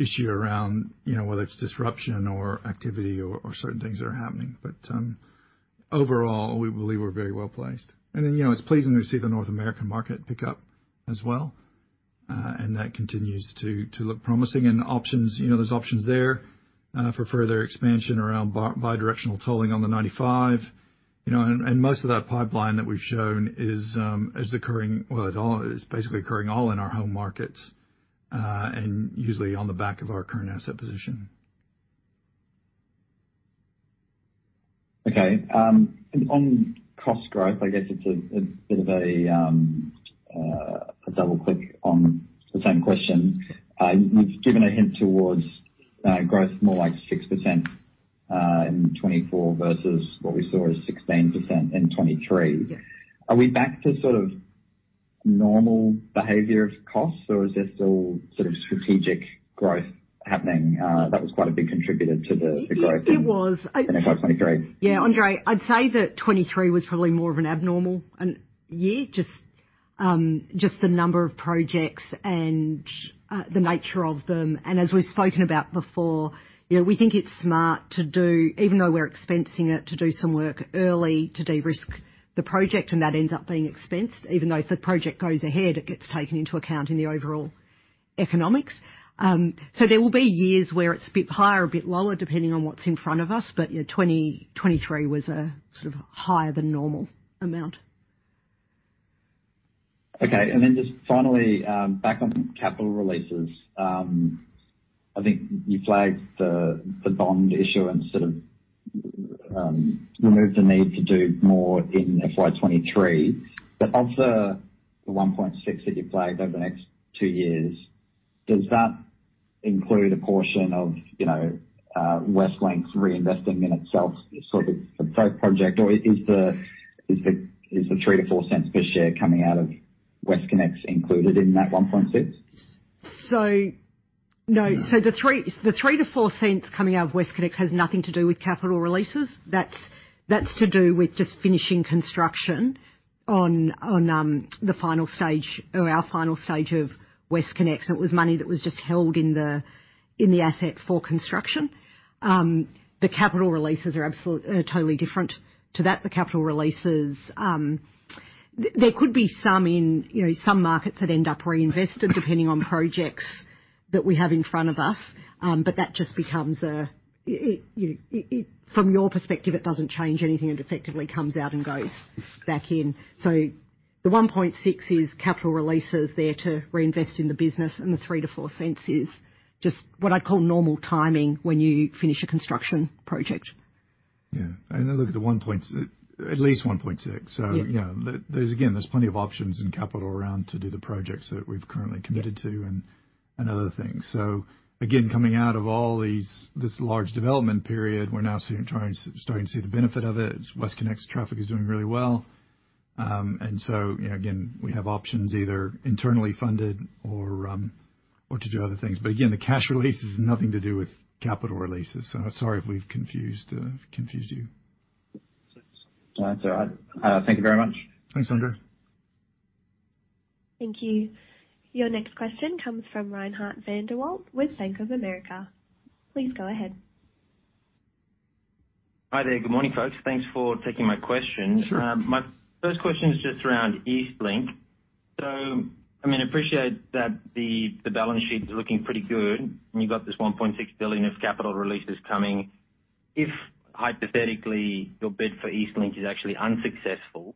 issue around, you know, whether it's disruption or activity or, or certain things that are happening. Overall, we believe we're very well placed. Then, you know, it's pleasing to see the North American market pick up as well, and that continues to, to look promising. Options, you know, there's options there for further expansion around bi-bidirectional tolling on the 95, you know, and, and most of that pipeline that we've shown is occurring... Well, it all- is basically occurring all in our home markets, and usually on the back of our current asset position. Okay, on cost growth, I guess it's a bit of a double click on the same question. You've given a hint towards, growth more like 6%, in 2024 versus what we saw as 16% in 2023. Are we back to sort of normal behavior of costs, or is there still sort of strategic growth happening? That was quite a big contributor to the, the growth- It was- in FY23. Yeah, Andre Fromyhr, I'd say that 2023 was probably more of an abnormal an year, just the number of projects and the nature of them. As we've spoken about before, you know, we think it's smart to do, even though we're expensing it, to do some work early to de-risk the project, and that ends up being expensed. Even though if the project goes ahead, it gets taken into account in the overall economics. There will be years where it's a bit higher or a bit lower, depending on what's in front of us. Yeah, 2023 was a sort of higher than normal amount. Okay. Just finally, back on capital releases. I think you flagged the, the bond issuance, sort of, removed the need to do more in FY23. Of the 1.6 that you flagged over the next two years, does that include a portion of, you know, Westlink's reinvesting in itself, sort of the project, or is the, is the, is the 0.03-0.04 per share coming out of WestConnex included in that 1.6? No. No. The 3-4 cents coming out of WestConnex has nothing to do with capital releases. That's to do with just finishing construction on the final stage or our final stage of WestConnex. It was money that was just held in the asset for construction. The capital releases are absolute, totally different to that. The capital releases. There could be some in, you know, some markets that end up reinvested, depending on projects that we have in front of us. That just becomes a, you know, from your perspective, it doesn't change anything. It effectively comes out and goes back in. The 1.6 is capital releases there to reinvest in the business, and the 0.03-0.04 is just what I'd call normal timing when you finish a construction project. Yeah. Then look at the 1.6, at least 1.6. Yeah. You know, there's again, there's plenty of options and capital around to do the projects that we've currently committed to. Yeah Other things. Again, coming out of all these, this large development period, we're now seeing, starting to see the benefit of it. WestConnex traffic is doing really well. You know, again, we have options, either internally funded or to do other things. Again, the cash release is nothing to do with capital releases. Sorry if we've confused, confused you. No, that's all right. Thank you very much. Thanks, Andre. Thank you. Your next question comes from Reinhardt van der Walt with Bank of America. Please go ahead. Hi there. Good morning, folks. Thanks for taking my question. Sure. My first question is just around EastLink. I mean, I appreciate that the balance sheet is looking pretty good, and you've got this 1.6 billion of capital releases coming. If hypothetically, your bid for EastLink is actually unsuccessful,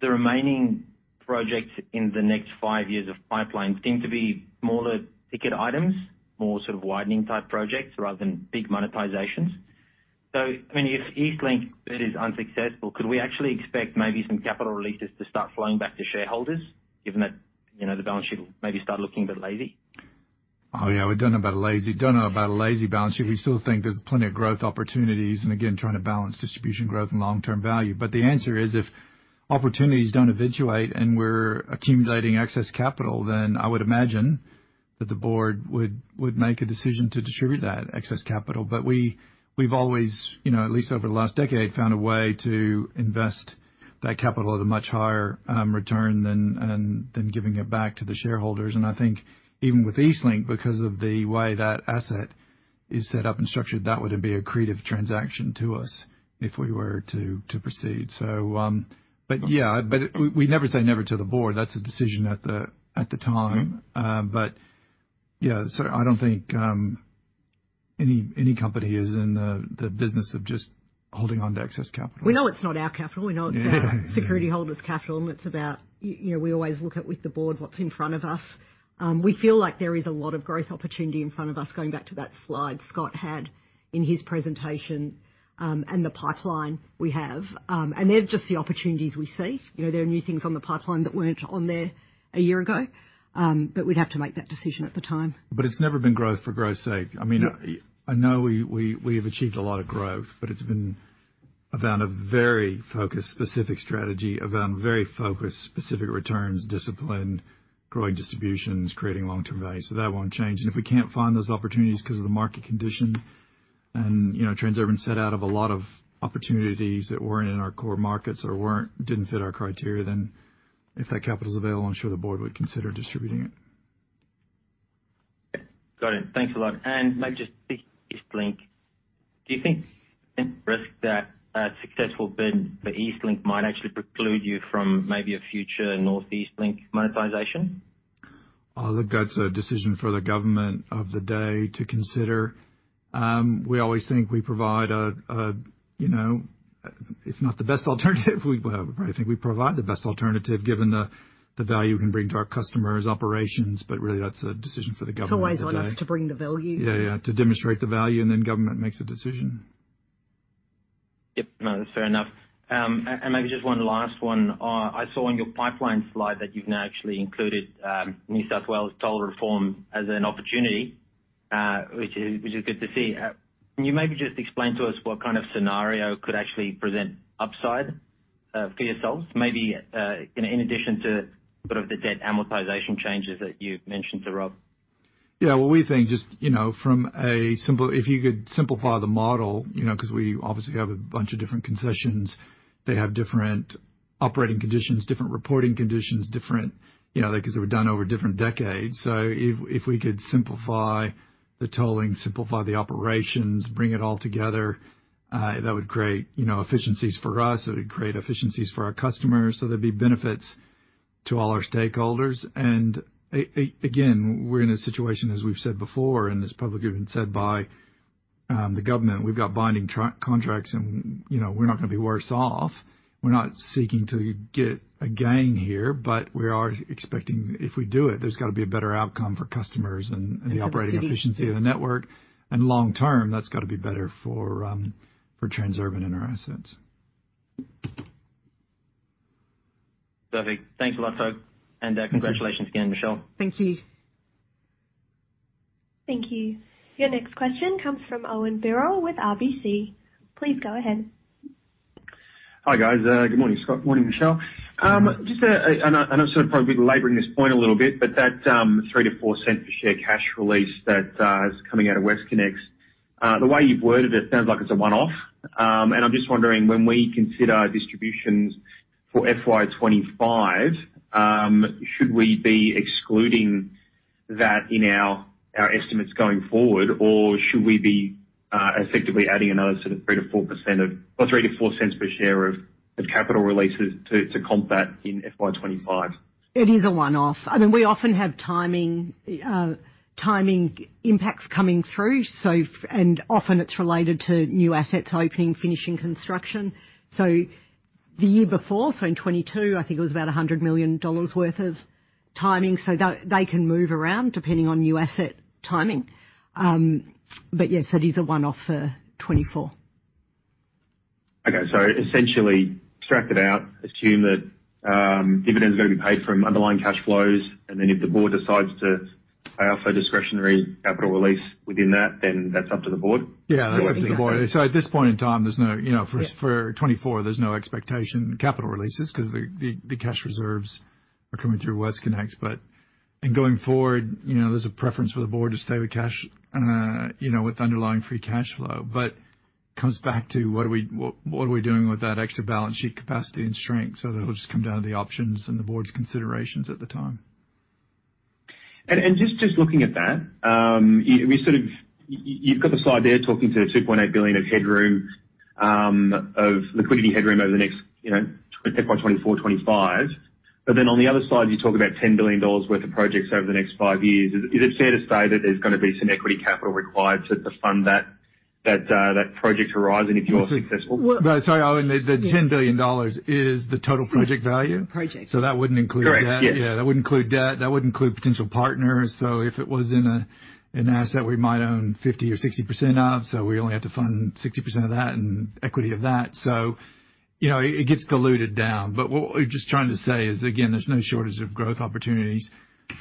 the remaining projects in the next five years of pipeline seem to be smaller ticket items, more sort of widening type projects rather than big monetizations. I mean, if EastLink bid is unsuccessful, could we actually expect maybe some capital releases to start flowing back to shareholders, given that, you know, the balance sheet will maybe start looking a bit lazy? Oh, yeah, we don't know about a lazy, don't know about a lazy balance sheet. We still think there's plenty of growth opportunities and again, trying to balance distribution growth and long-term value. The answer is, if opportunities don't eventuate and we're accumulating excess capital, then I would imagine that the board would, would make a decision to distribute that excess capital. We, we've always, you know, at least over the last decade, found a way to invest that capital at a much higher return than, than, than giving it back to the shareholders. I think even with EastLink, because of the way that asset is set up and structured, that would be an accretive transaction to us if we were to, to proceed. Yeah, but we never say never to the board. That's a decision at the, at the time. Mm-hmm. Yeah, I don't think, any, any company is in the, the business of just holding on to excess capital. We know it's not our capital. Yeah. We know it's our security holders' capital, and it's about. You know, we always look at, with the board, what's in front of us. We feel like there is a lot of growth opportunity in front of us, going back to that slide Scott had in his presentation, and the pipeline we have. They're just the opportunities we see. You know, there are new things on the pipeline that weren't on there a year ago, but we'd have to make that decision at the time. It's never been growth for growth's sake. No. I mean, I know we, we, we have achieved a lot of growth, but it's been around a very focused, specific strategy, around very focused, specific returns, discipline, growing distributions, creating long-term value. That won't change. If we can't find those opportunities because of the market condition and, you know, Transurban set out of a lot of opportunities that weren't in our core markets or weren't, didn't fit our criteria, then if that capital is available, I'm sure the board would consider distributing it. Got it. Thanks a lot. Maybe just EastLink, do you think risk that a successful bid for EastLink might actually preclude you from maybe a future North East Link monetization? Look, that's a decision for the government of the day to consider. We always think we provide, you know, if not the best alternative, we probably think we provide the best alternative, given the value we can bring to our customers' operations, but really, that's a decision for the government of the day. It's always on us to bring the value. Yeah, yeah, to demonstrate the value, then government makes a decision. Yep, no, that's fair enough. Maybe just 1 last one. I saw on your pipeline slide that you've now actually included New South Wales toll reform as an opportunity, which is good to see. Can you maybe just explain to us what kind of scenario could actually present upside for yourselves? Maybe, in addition to sort of the debt amortization changes that you've mentioned to Rob? Yeah, well, we think just, you know, from a simple if you could simplify the model, you know, 'cause we obviously have a bunch of different concessions. They have different operating conditions, different reporting conditions, different, you know, because they were done over different decades. If, if we could simplify the tolling, simplify the operations, bring it all together, that would create, you know, efficiencies for us. It would create efficiencies for our customers, so there'd be benefits to all our stakeholders. Again, we're in a situation, as we've said before, and it's probably even said by the government, we've got binding contracts, and, you know, we're not gonna be worse off. We're not seeking to get a gain here, but we are expecting if we do it, there's got to be a better outcome for customers and the operating efficiency of the network. Long term, that's got to be better for, for Transurban and our assets. Perfect. Thanks a lot, folk. Thank you. Congratulations again, Michelle. Thank you. Thank you. Your next question comes from Owen Birrell with RBC. Please go ahead. Hi, guys. Good morning, Scott. Morning, Michelle. Just, I know sort of probably belaboring this point a little bit, but that 0.03-0.04 per share cash release that is coming out of WestConnex, the way you've worded it sounds like it's a one-off. I'm just wondering, when we consider distributions for FY25, should we be excluding that in our estimates going forward, or should we be effectively adding another sort of 3%-4% of or 0.03-0.04 per share of capital releases to combat in FY25? It is a one-off. I mean, we often have timing, timing impacts coming through, and often it's related to new assets opening, finishing construction. The year before, in 2022, I think it was about 100 million dollars worth of timing, so they, they can move around depending on new asset timing. Yes, that is a one-off for 2024. Okay. essentially, extract it out, assume that dividend is going to be paid from underlying cash flows, and then if the board decides to pay off a discretionary capital release within that, then that's up to the board? Yeah, that's up to the board. I think that's it. At this point in time, there's no, you know... Yeah... for, for 2024, there's no expectation capital releases because the, the, the cash reserves are coming through WestConnex. And going forward, you know, there's a preference for the board to stay with cash, you know, with underlying free cash flow. Comes back to what are we, what are we doing with that extra balance sheet capacity and strength? That it'll just come down to the options and the board's considerations at the time. Just looking at that, we sort of, you've got the slide there talking to the 2.8 billion of headroom, of liquidity headroom over the next, you know, FY 2024, 2025. Then on the other slide, you talk about 10 billion dollars worth of projects over the next five years. Is it fair to say that there's gonna be some equity capital required to fund that project horizon, if you're successful? Well, sorry, Owen. Yeah. The 10 billion dollars is the total project value. Project. That wouldn't include debt. Correct, yeah. Yeah, that wouldn't include debt. That would include potential partners. If it was in a, an asset, we might own 50% or 60% of, so we only have to fund 60% of that and equity of that. You know, it gets diluted down. What we're just trying to say is, again, there's no shortage of growth opportunities.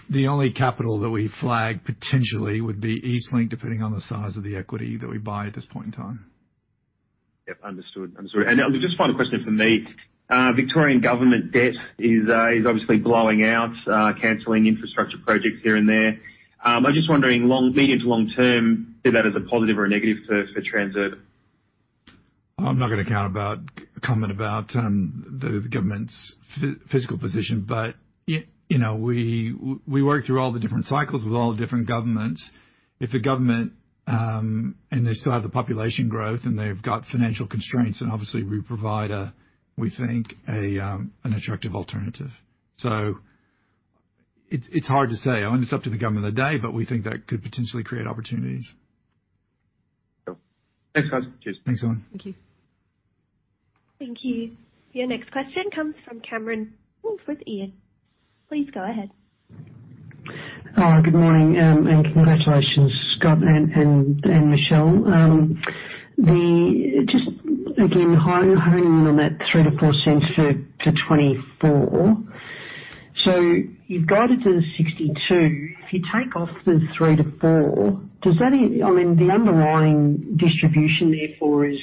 The only capital that we flag potentially would be EastLink, depending on the size of the equity that we buy at this point in time. Yep, understood. Understood. Just one final question from me. Victorian government debt is obviously blowing out, canceling infrastructure projects here and there. I'm just wondering, medium to long term, see that as a positive or a negative for Transurban? I'm not going to comment about the government's fiscal position, you know, we, we work through all the different cycles with all the different governments. If the government, and they still have the population growth, and they've got financial constraints, and obviously we provide a, we think, an attractive alternative. It's, it's hard to say. I mean, it's up to the government of the day, but we think that could potentially create opportunities. Cool. Thanks, guys. Cheers. Thanks, Owen. Thank you. Thank you. Your next question comes from Cameron Wolfe with E&P. Please go ahead. Good morning, and congratulations, Scott and Michelle. Honing in on that 0.03-0.04 to 2024. You've guided to the 0.62. If you take off the 0.03-0.04, does that mean, I mean, the underlying distribution therefore is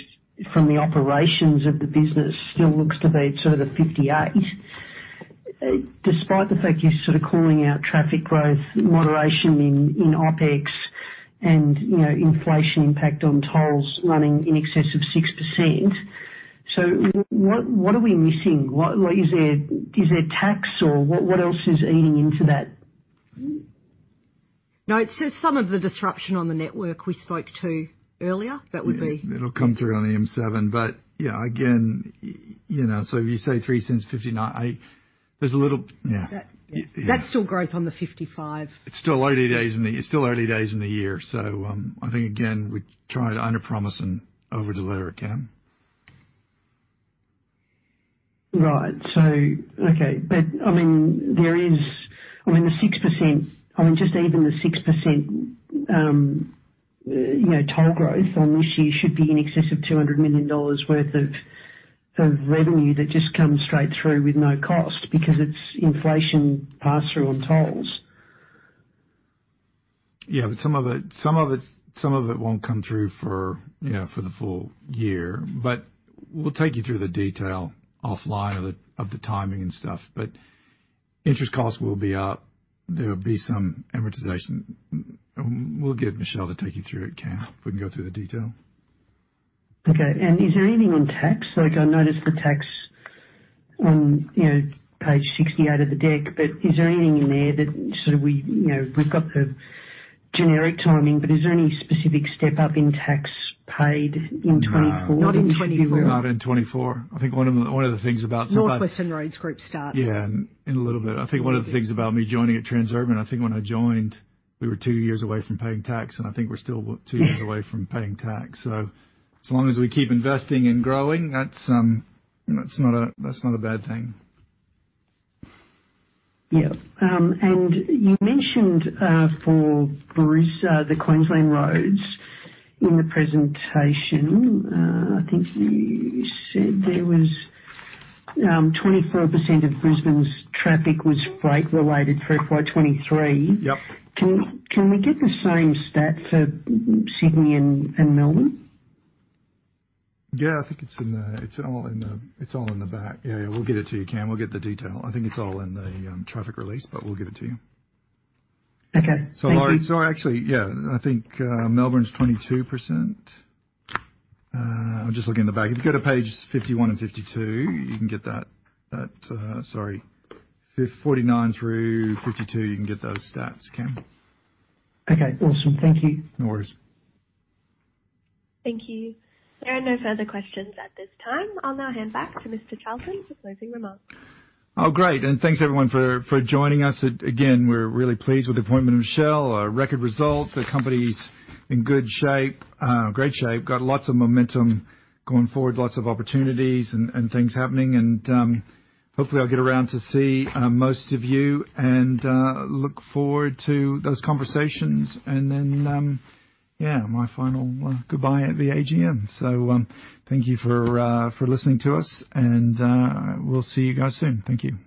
from the operations of the business, still looks to be sort of the 0.58, despite the fact you're sort of calling out traffic growth, moderation in OpEx and, you know, inflation impact on tolls running in excess of 6%. What are we missing? What, is there tax or what else is eating into that? No, it's just some of the disruption on the network we spoke to earlier. That would be- It'll come through on the M7, but yeah, again, you know, so if you say 0.03, 0.59, I... There's a little, yeah. That- Yeah. That's still growth on the 55. It's still early days in the year. I think again, we try to underpromise and overdeliver, Cameron.... Right. So, okay, but I mean, there is, I mean, the 6%, I mean, just even the 6%, you know, toll growth on this year should be in excess of 200 million dollars worth of, of revenue that just comes straight through with no cost because it's inflation pass-through on tolls. Yeah, some of it, some of it, some of it won't come through for, you know, for the full year. We'll take you through the detail offline of the timing and stuff, but interest costs will be up. There will be some amortization. We'll get Michelle Jablko to take you through it, Cameron Wolfe. We can go through the detail. Okay. Is there anything on tax? Like, I noticed the tax on, you know, page 68 of the deck, but is there anything in there that sort of we, you know, we've got the generic timing, but is there any specific step-up in tax paid in 2024? No. Not in 24. Not in 24. I think one of the things about NorthWestern Roads Group starts. Yeah, in a little bit. I think one of the things about me joining at Transurban, I think when I joined, we were 2 years away from paying tax, and I think we're still 2 years away from paying tax. As long as we keep investing and growing, that's not a bad thing. Yeah. You mentioned, for Bris- the Queensland Roads in the presentation, I think you said there was, 24% of Brisbane's traffic was freight-related freight by 2023. Yep. Can we get the same stat for Sydney and Melbourne? Yeah, I think it's in the, it's all in the, it's all in the back. Yeah, yeah, we'll get it to you, Cam. We'll get the detail. I think it's all in the traffic release, but we'll give it to you. Okay. Thank you. Actually, yeah, I think Melbourne's 22%. I'm just looking in the back. If you go to page 51 and 52, you can get that, that. Sorry, 49 through 52, you can get those stats, Cam. Okay, awesome. Thank you. No worries. Thank you. There are no further questions at this time. I'll now hand back to Mr. Charlton for closing remarks. Great, thanks everyone for, for joining us. Again, we're really pleased with the appointment of Michelle, a record result. The company's in good shape, great shape, got lots of momentum going forward, lots of opportunities and, and things happening. Hopefully, I'll get around to see most of you and look forward to those conversations. My final goodbye at the AGM. Thank you for for listening to us, and we'll see you guys soon. Thank you.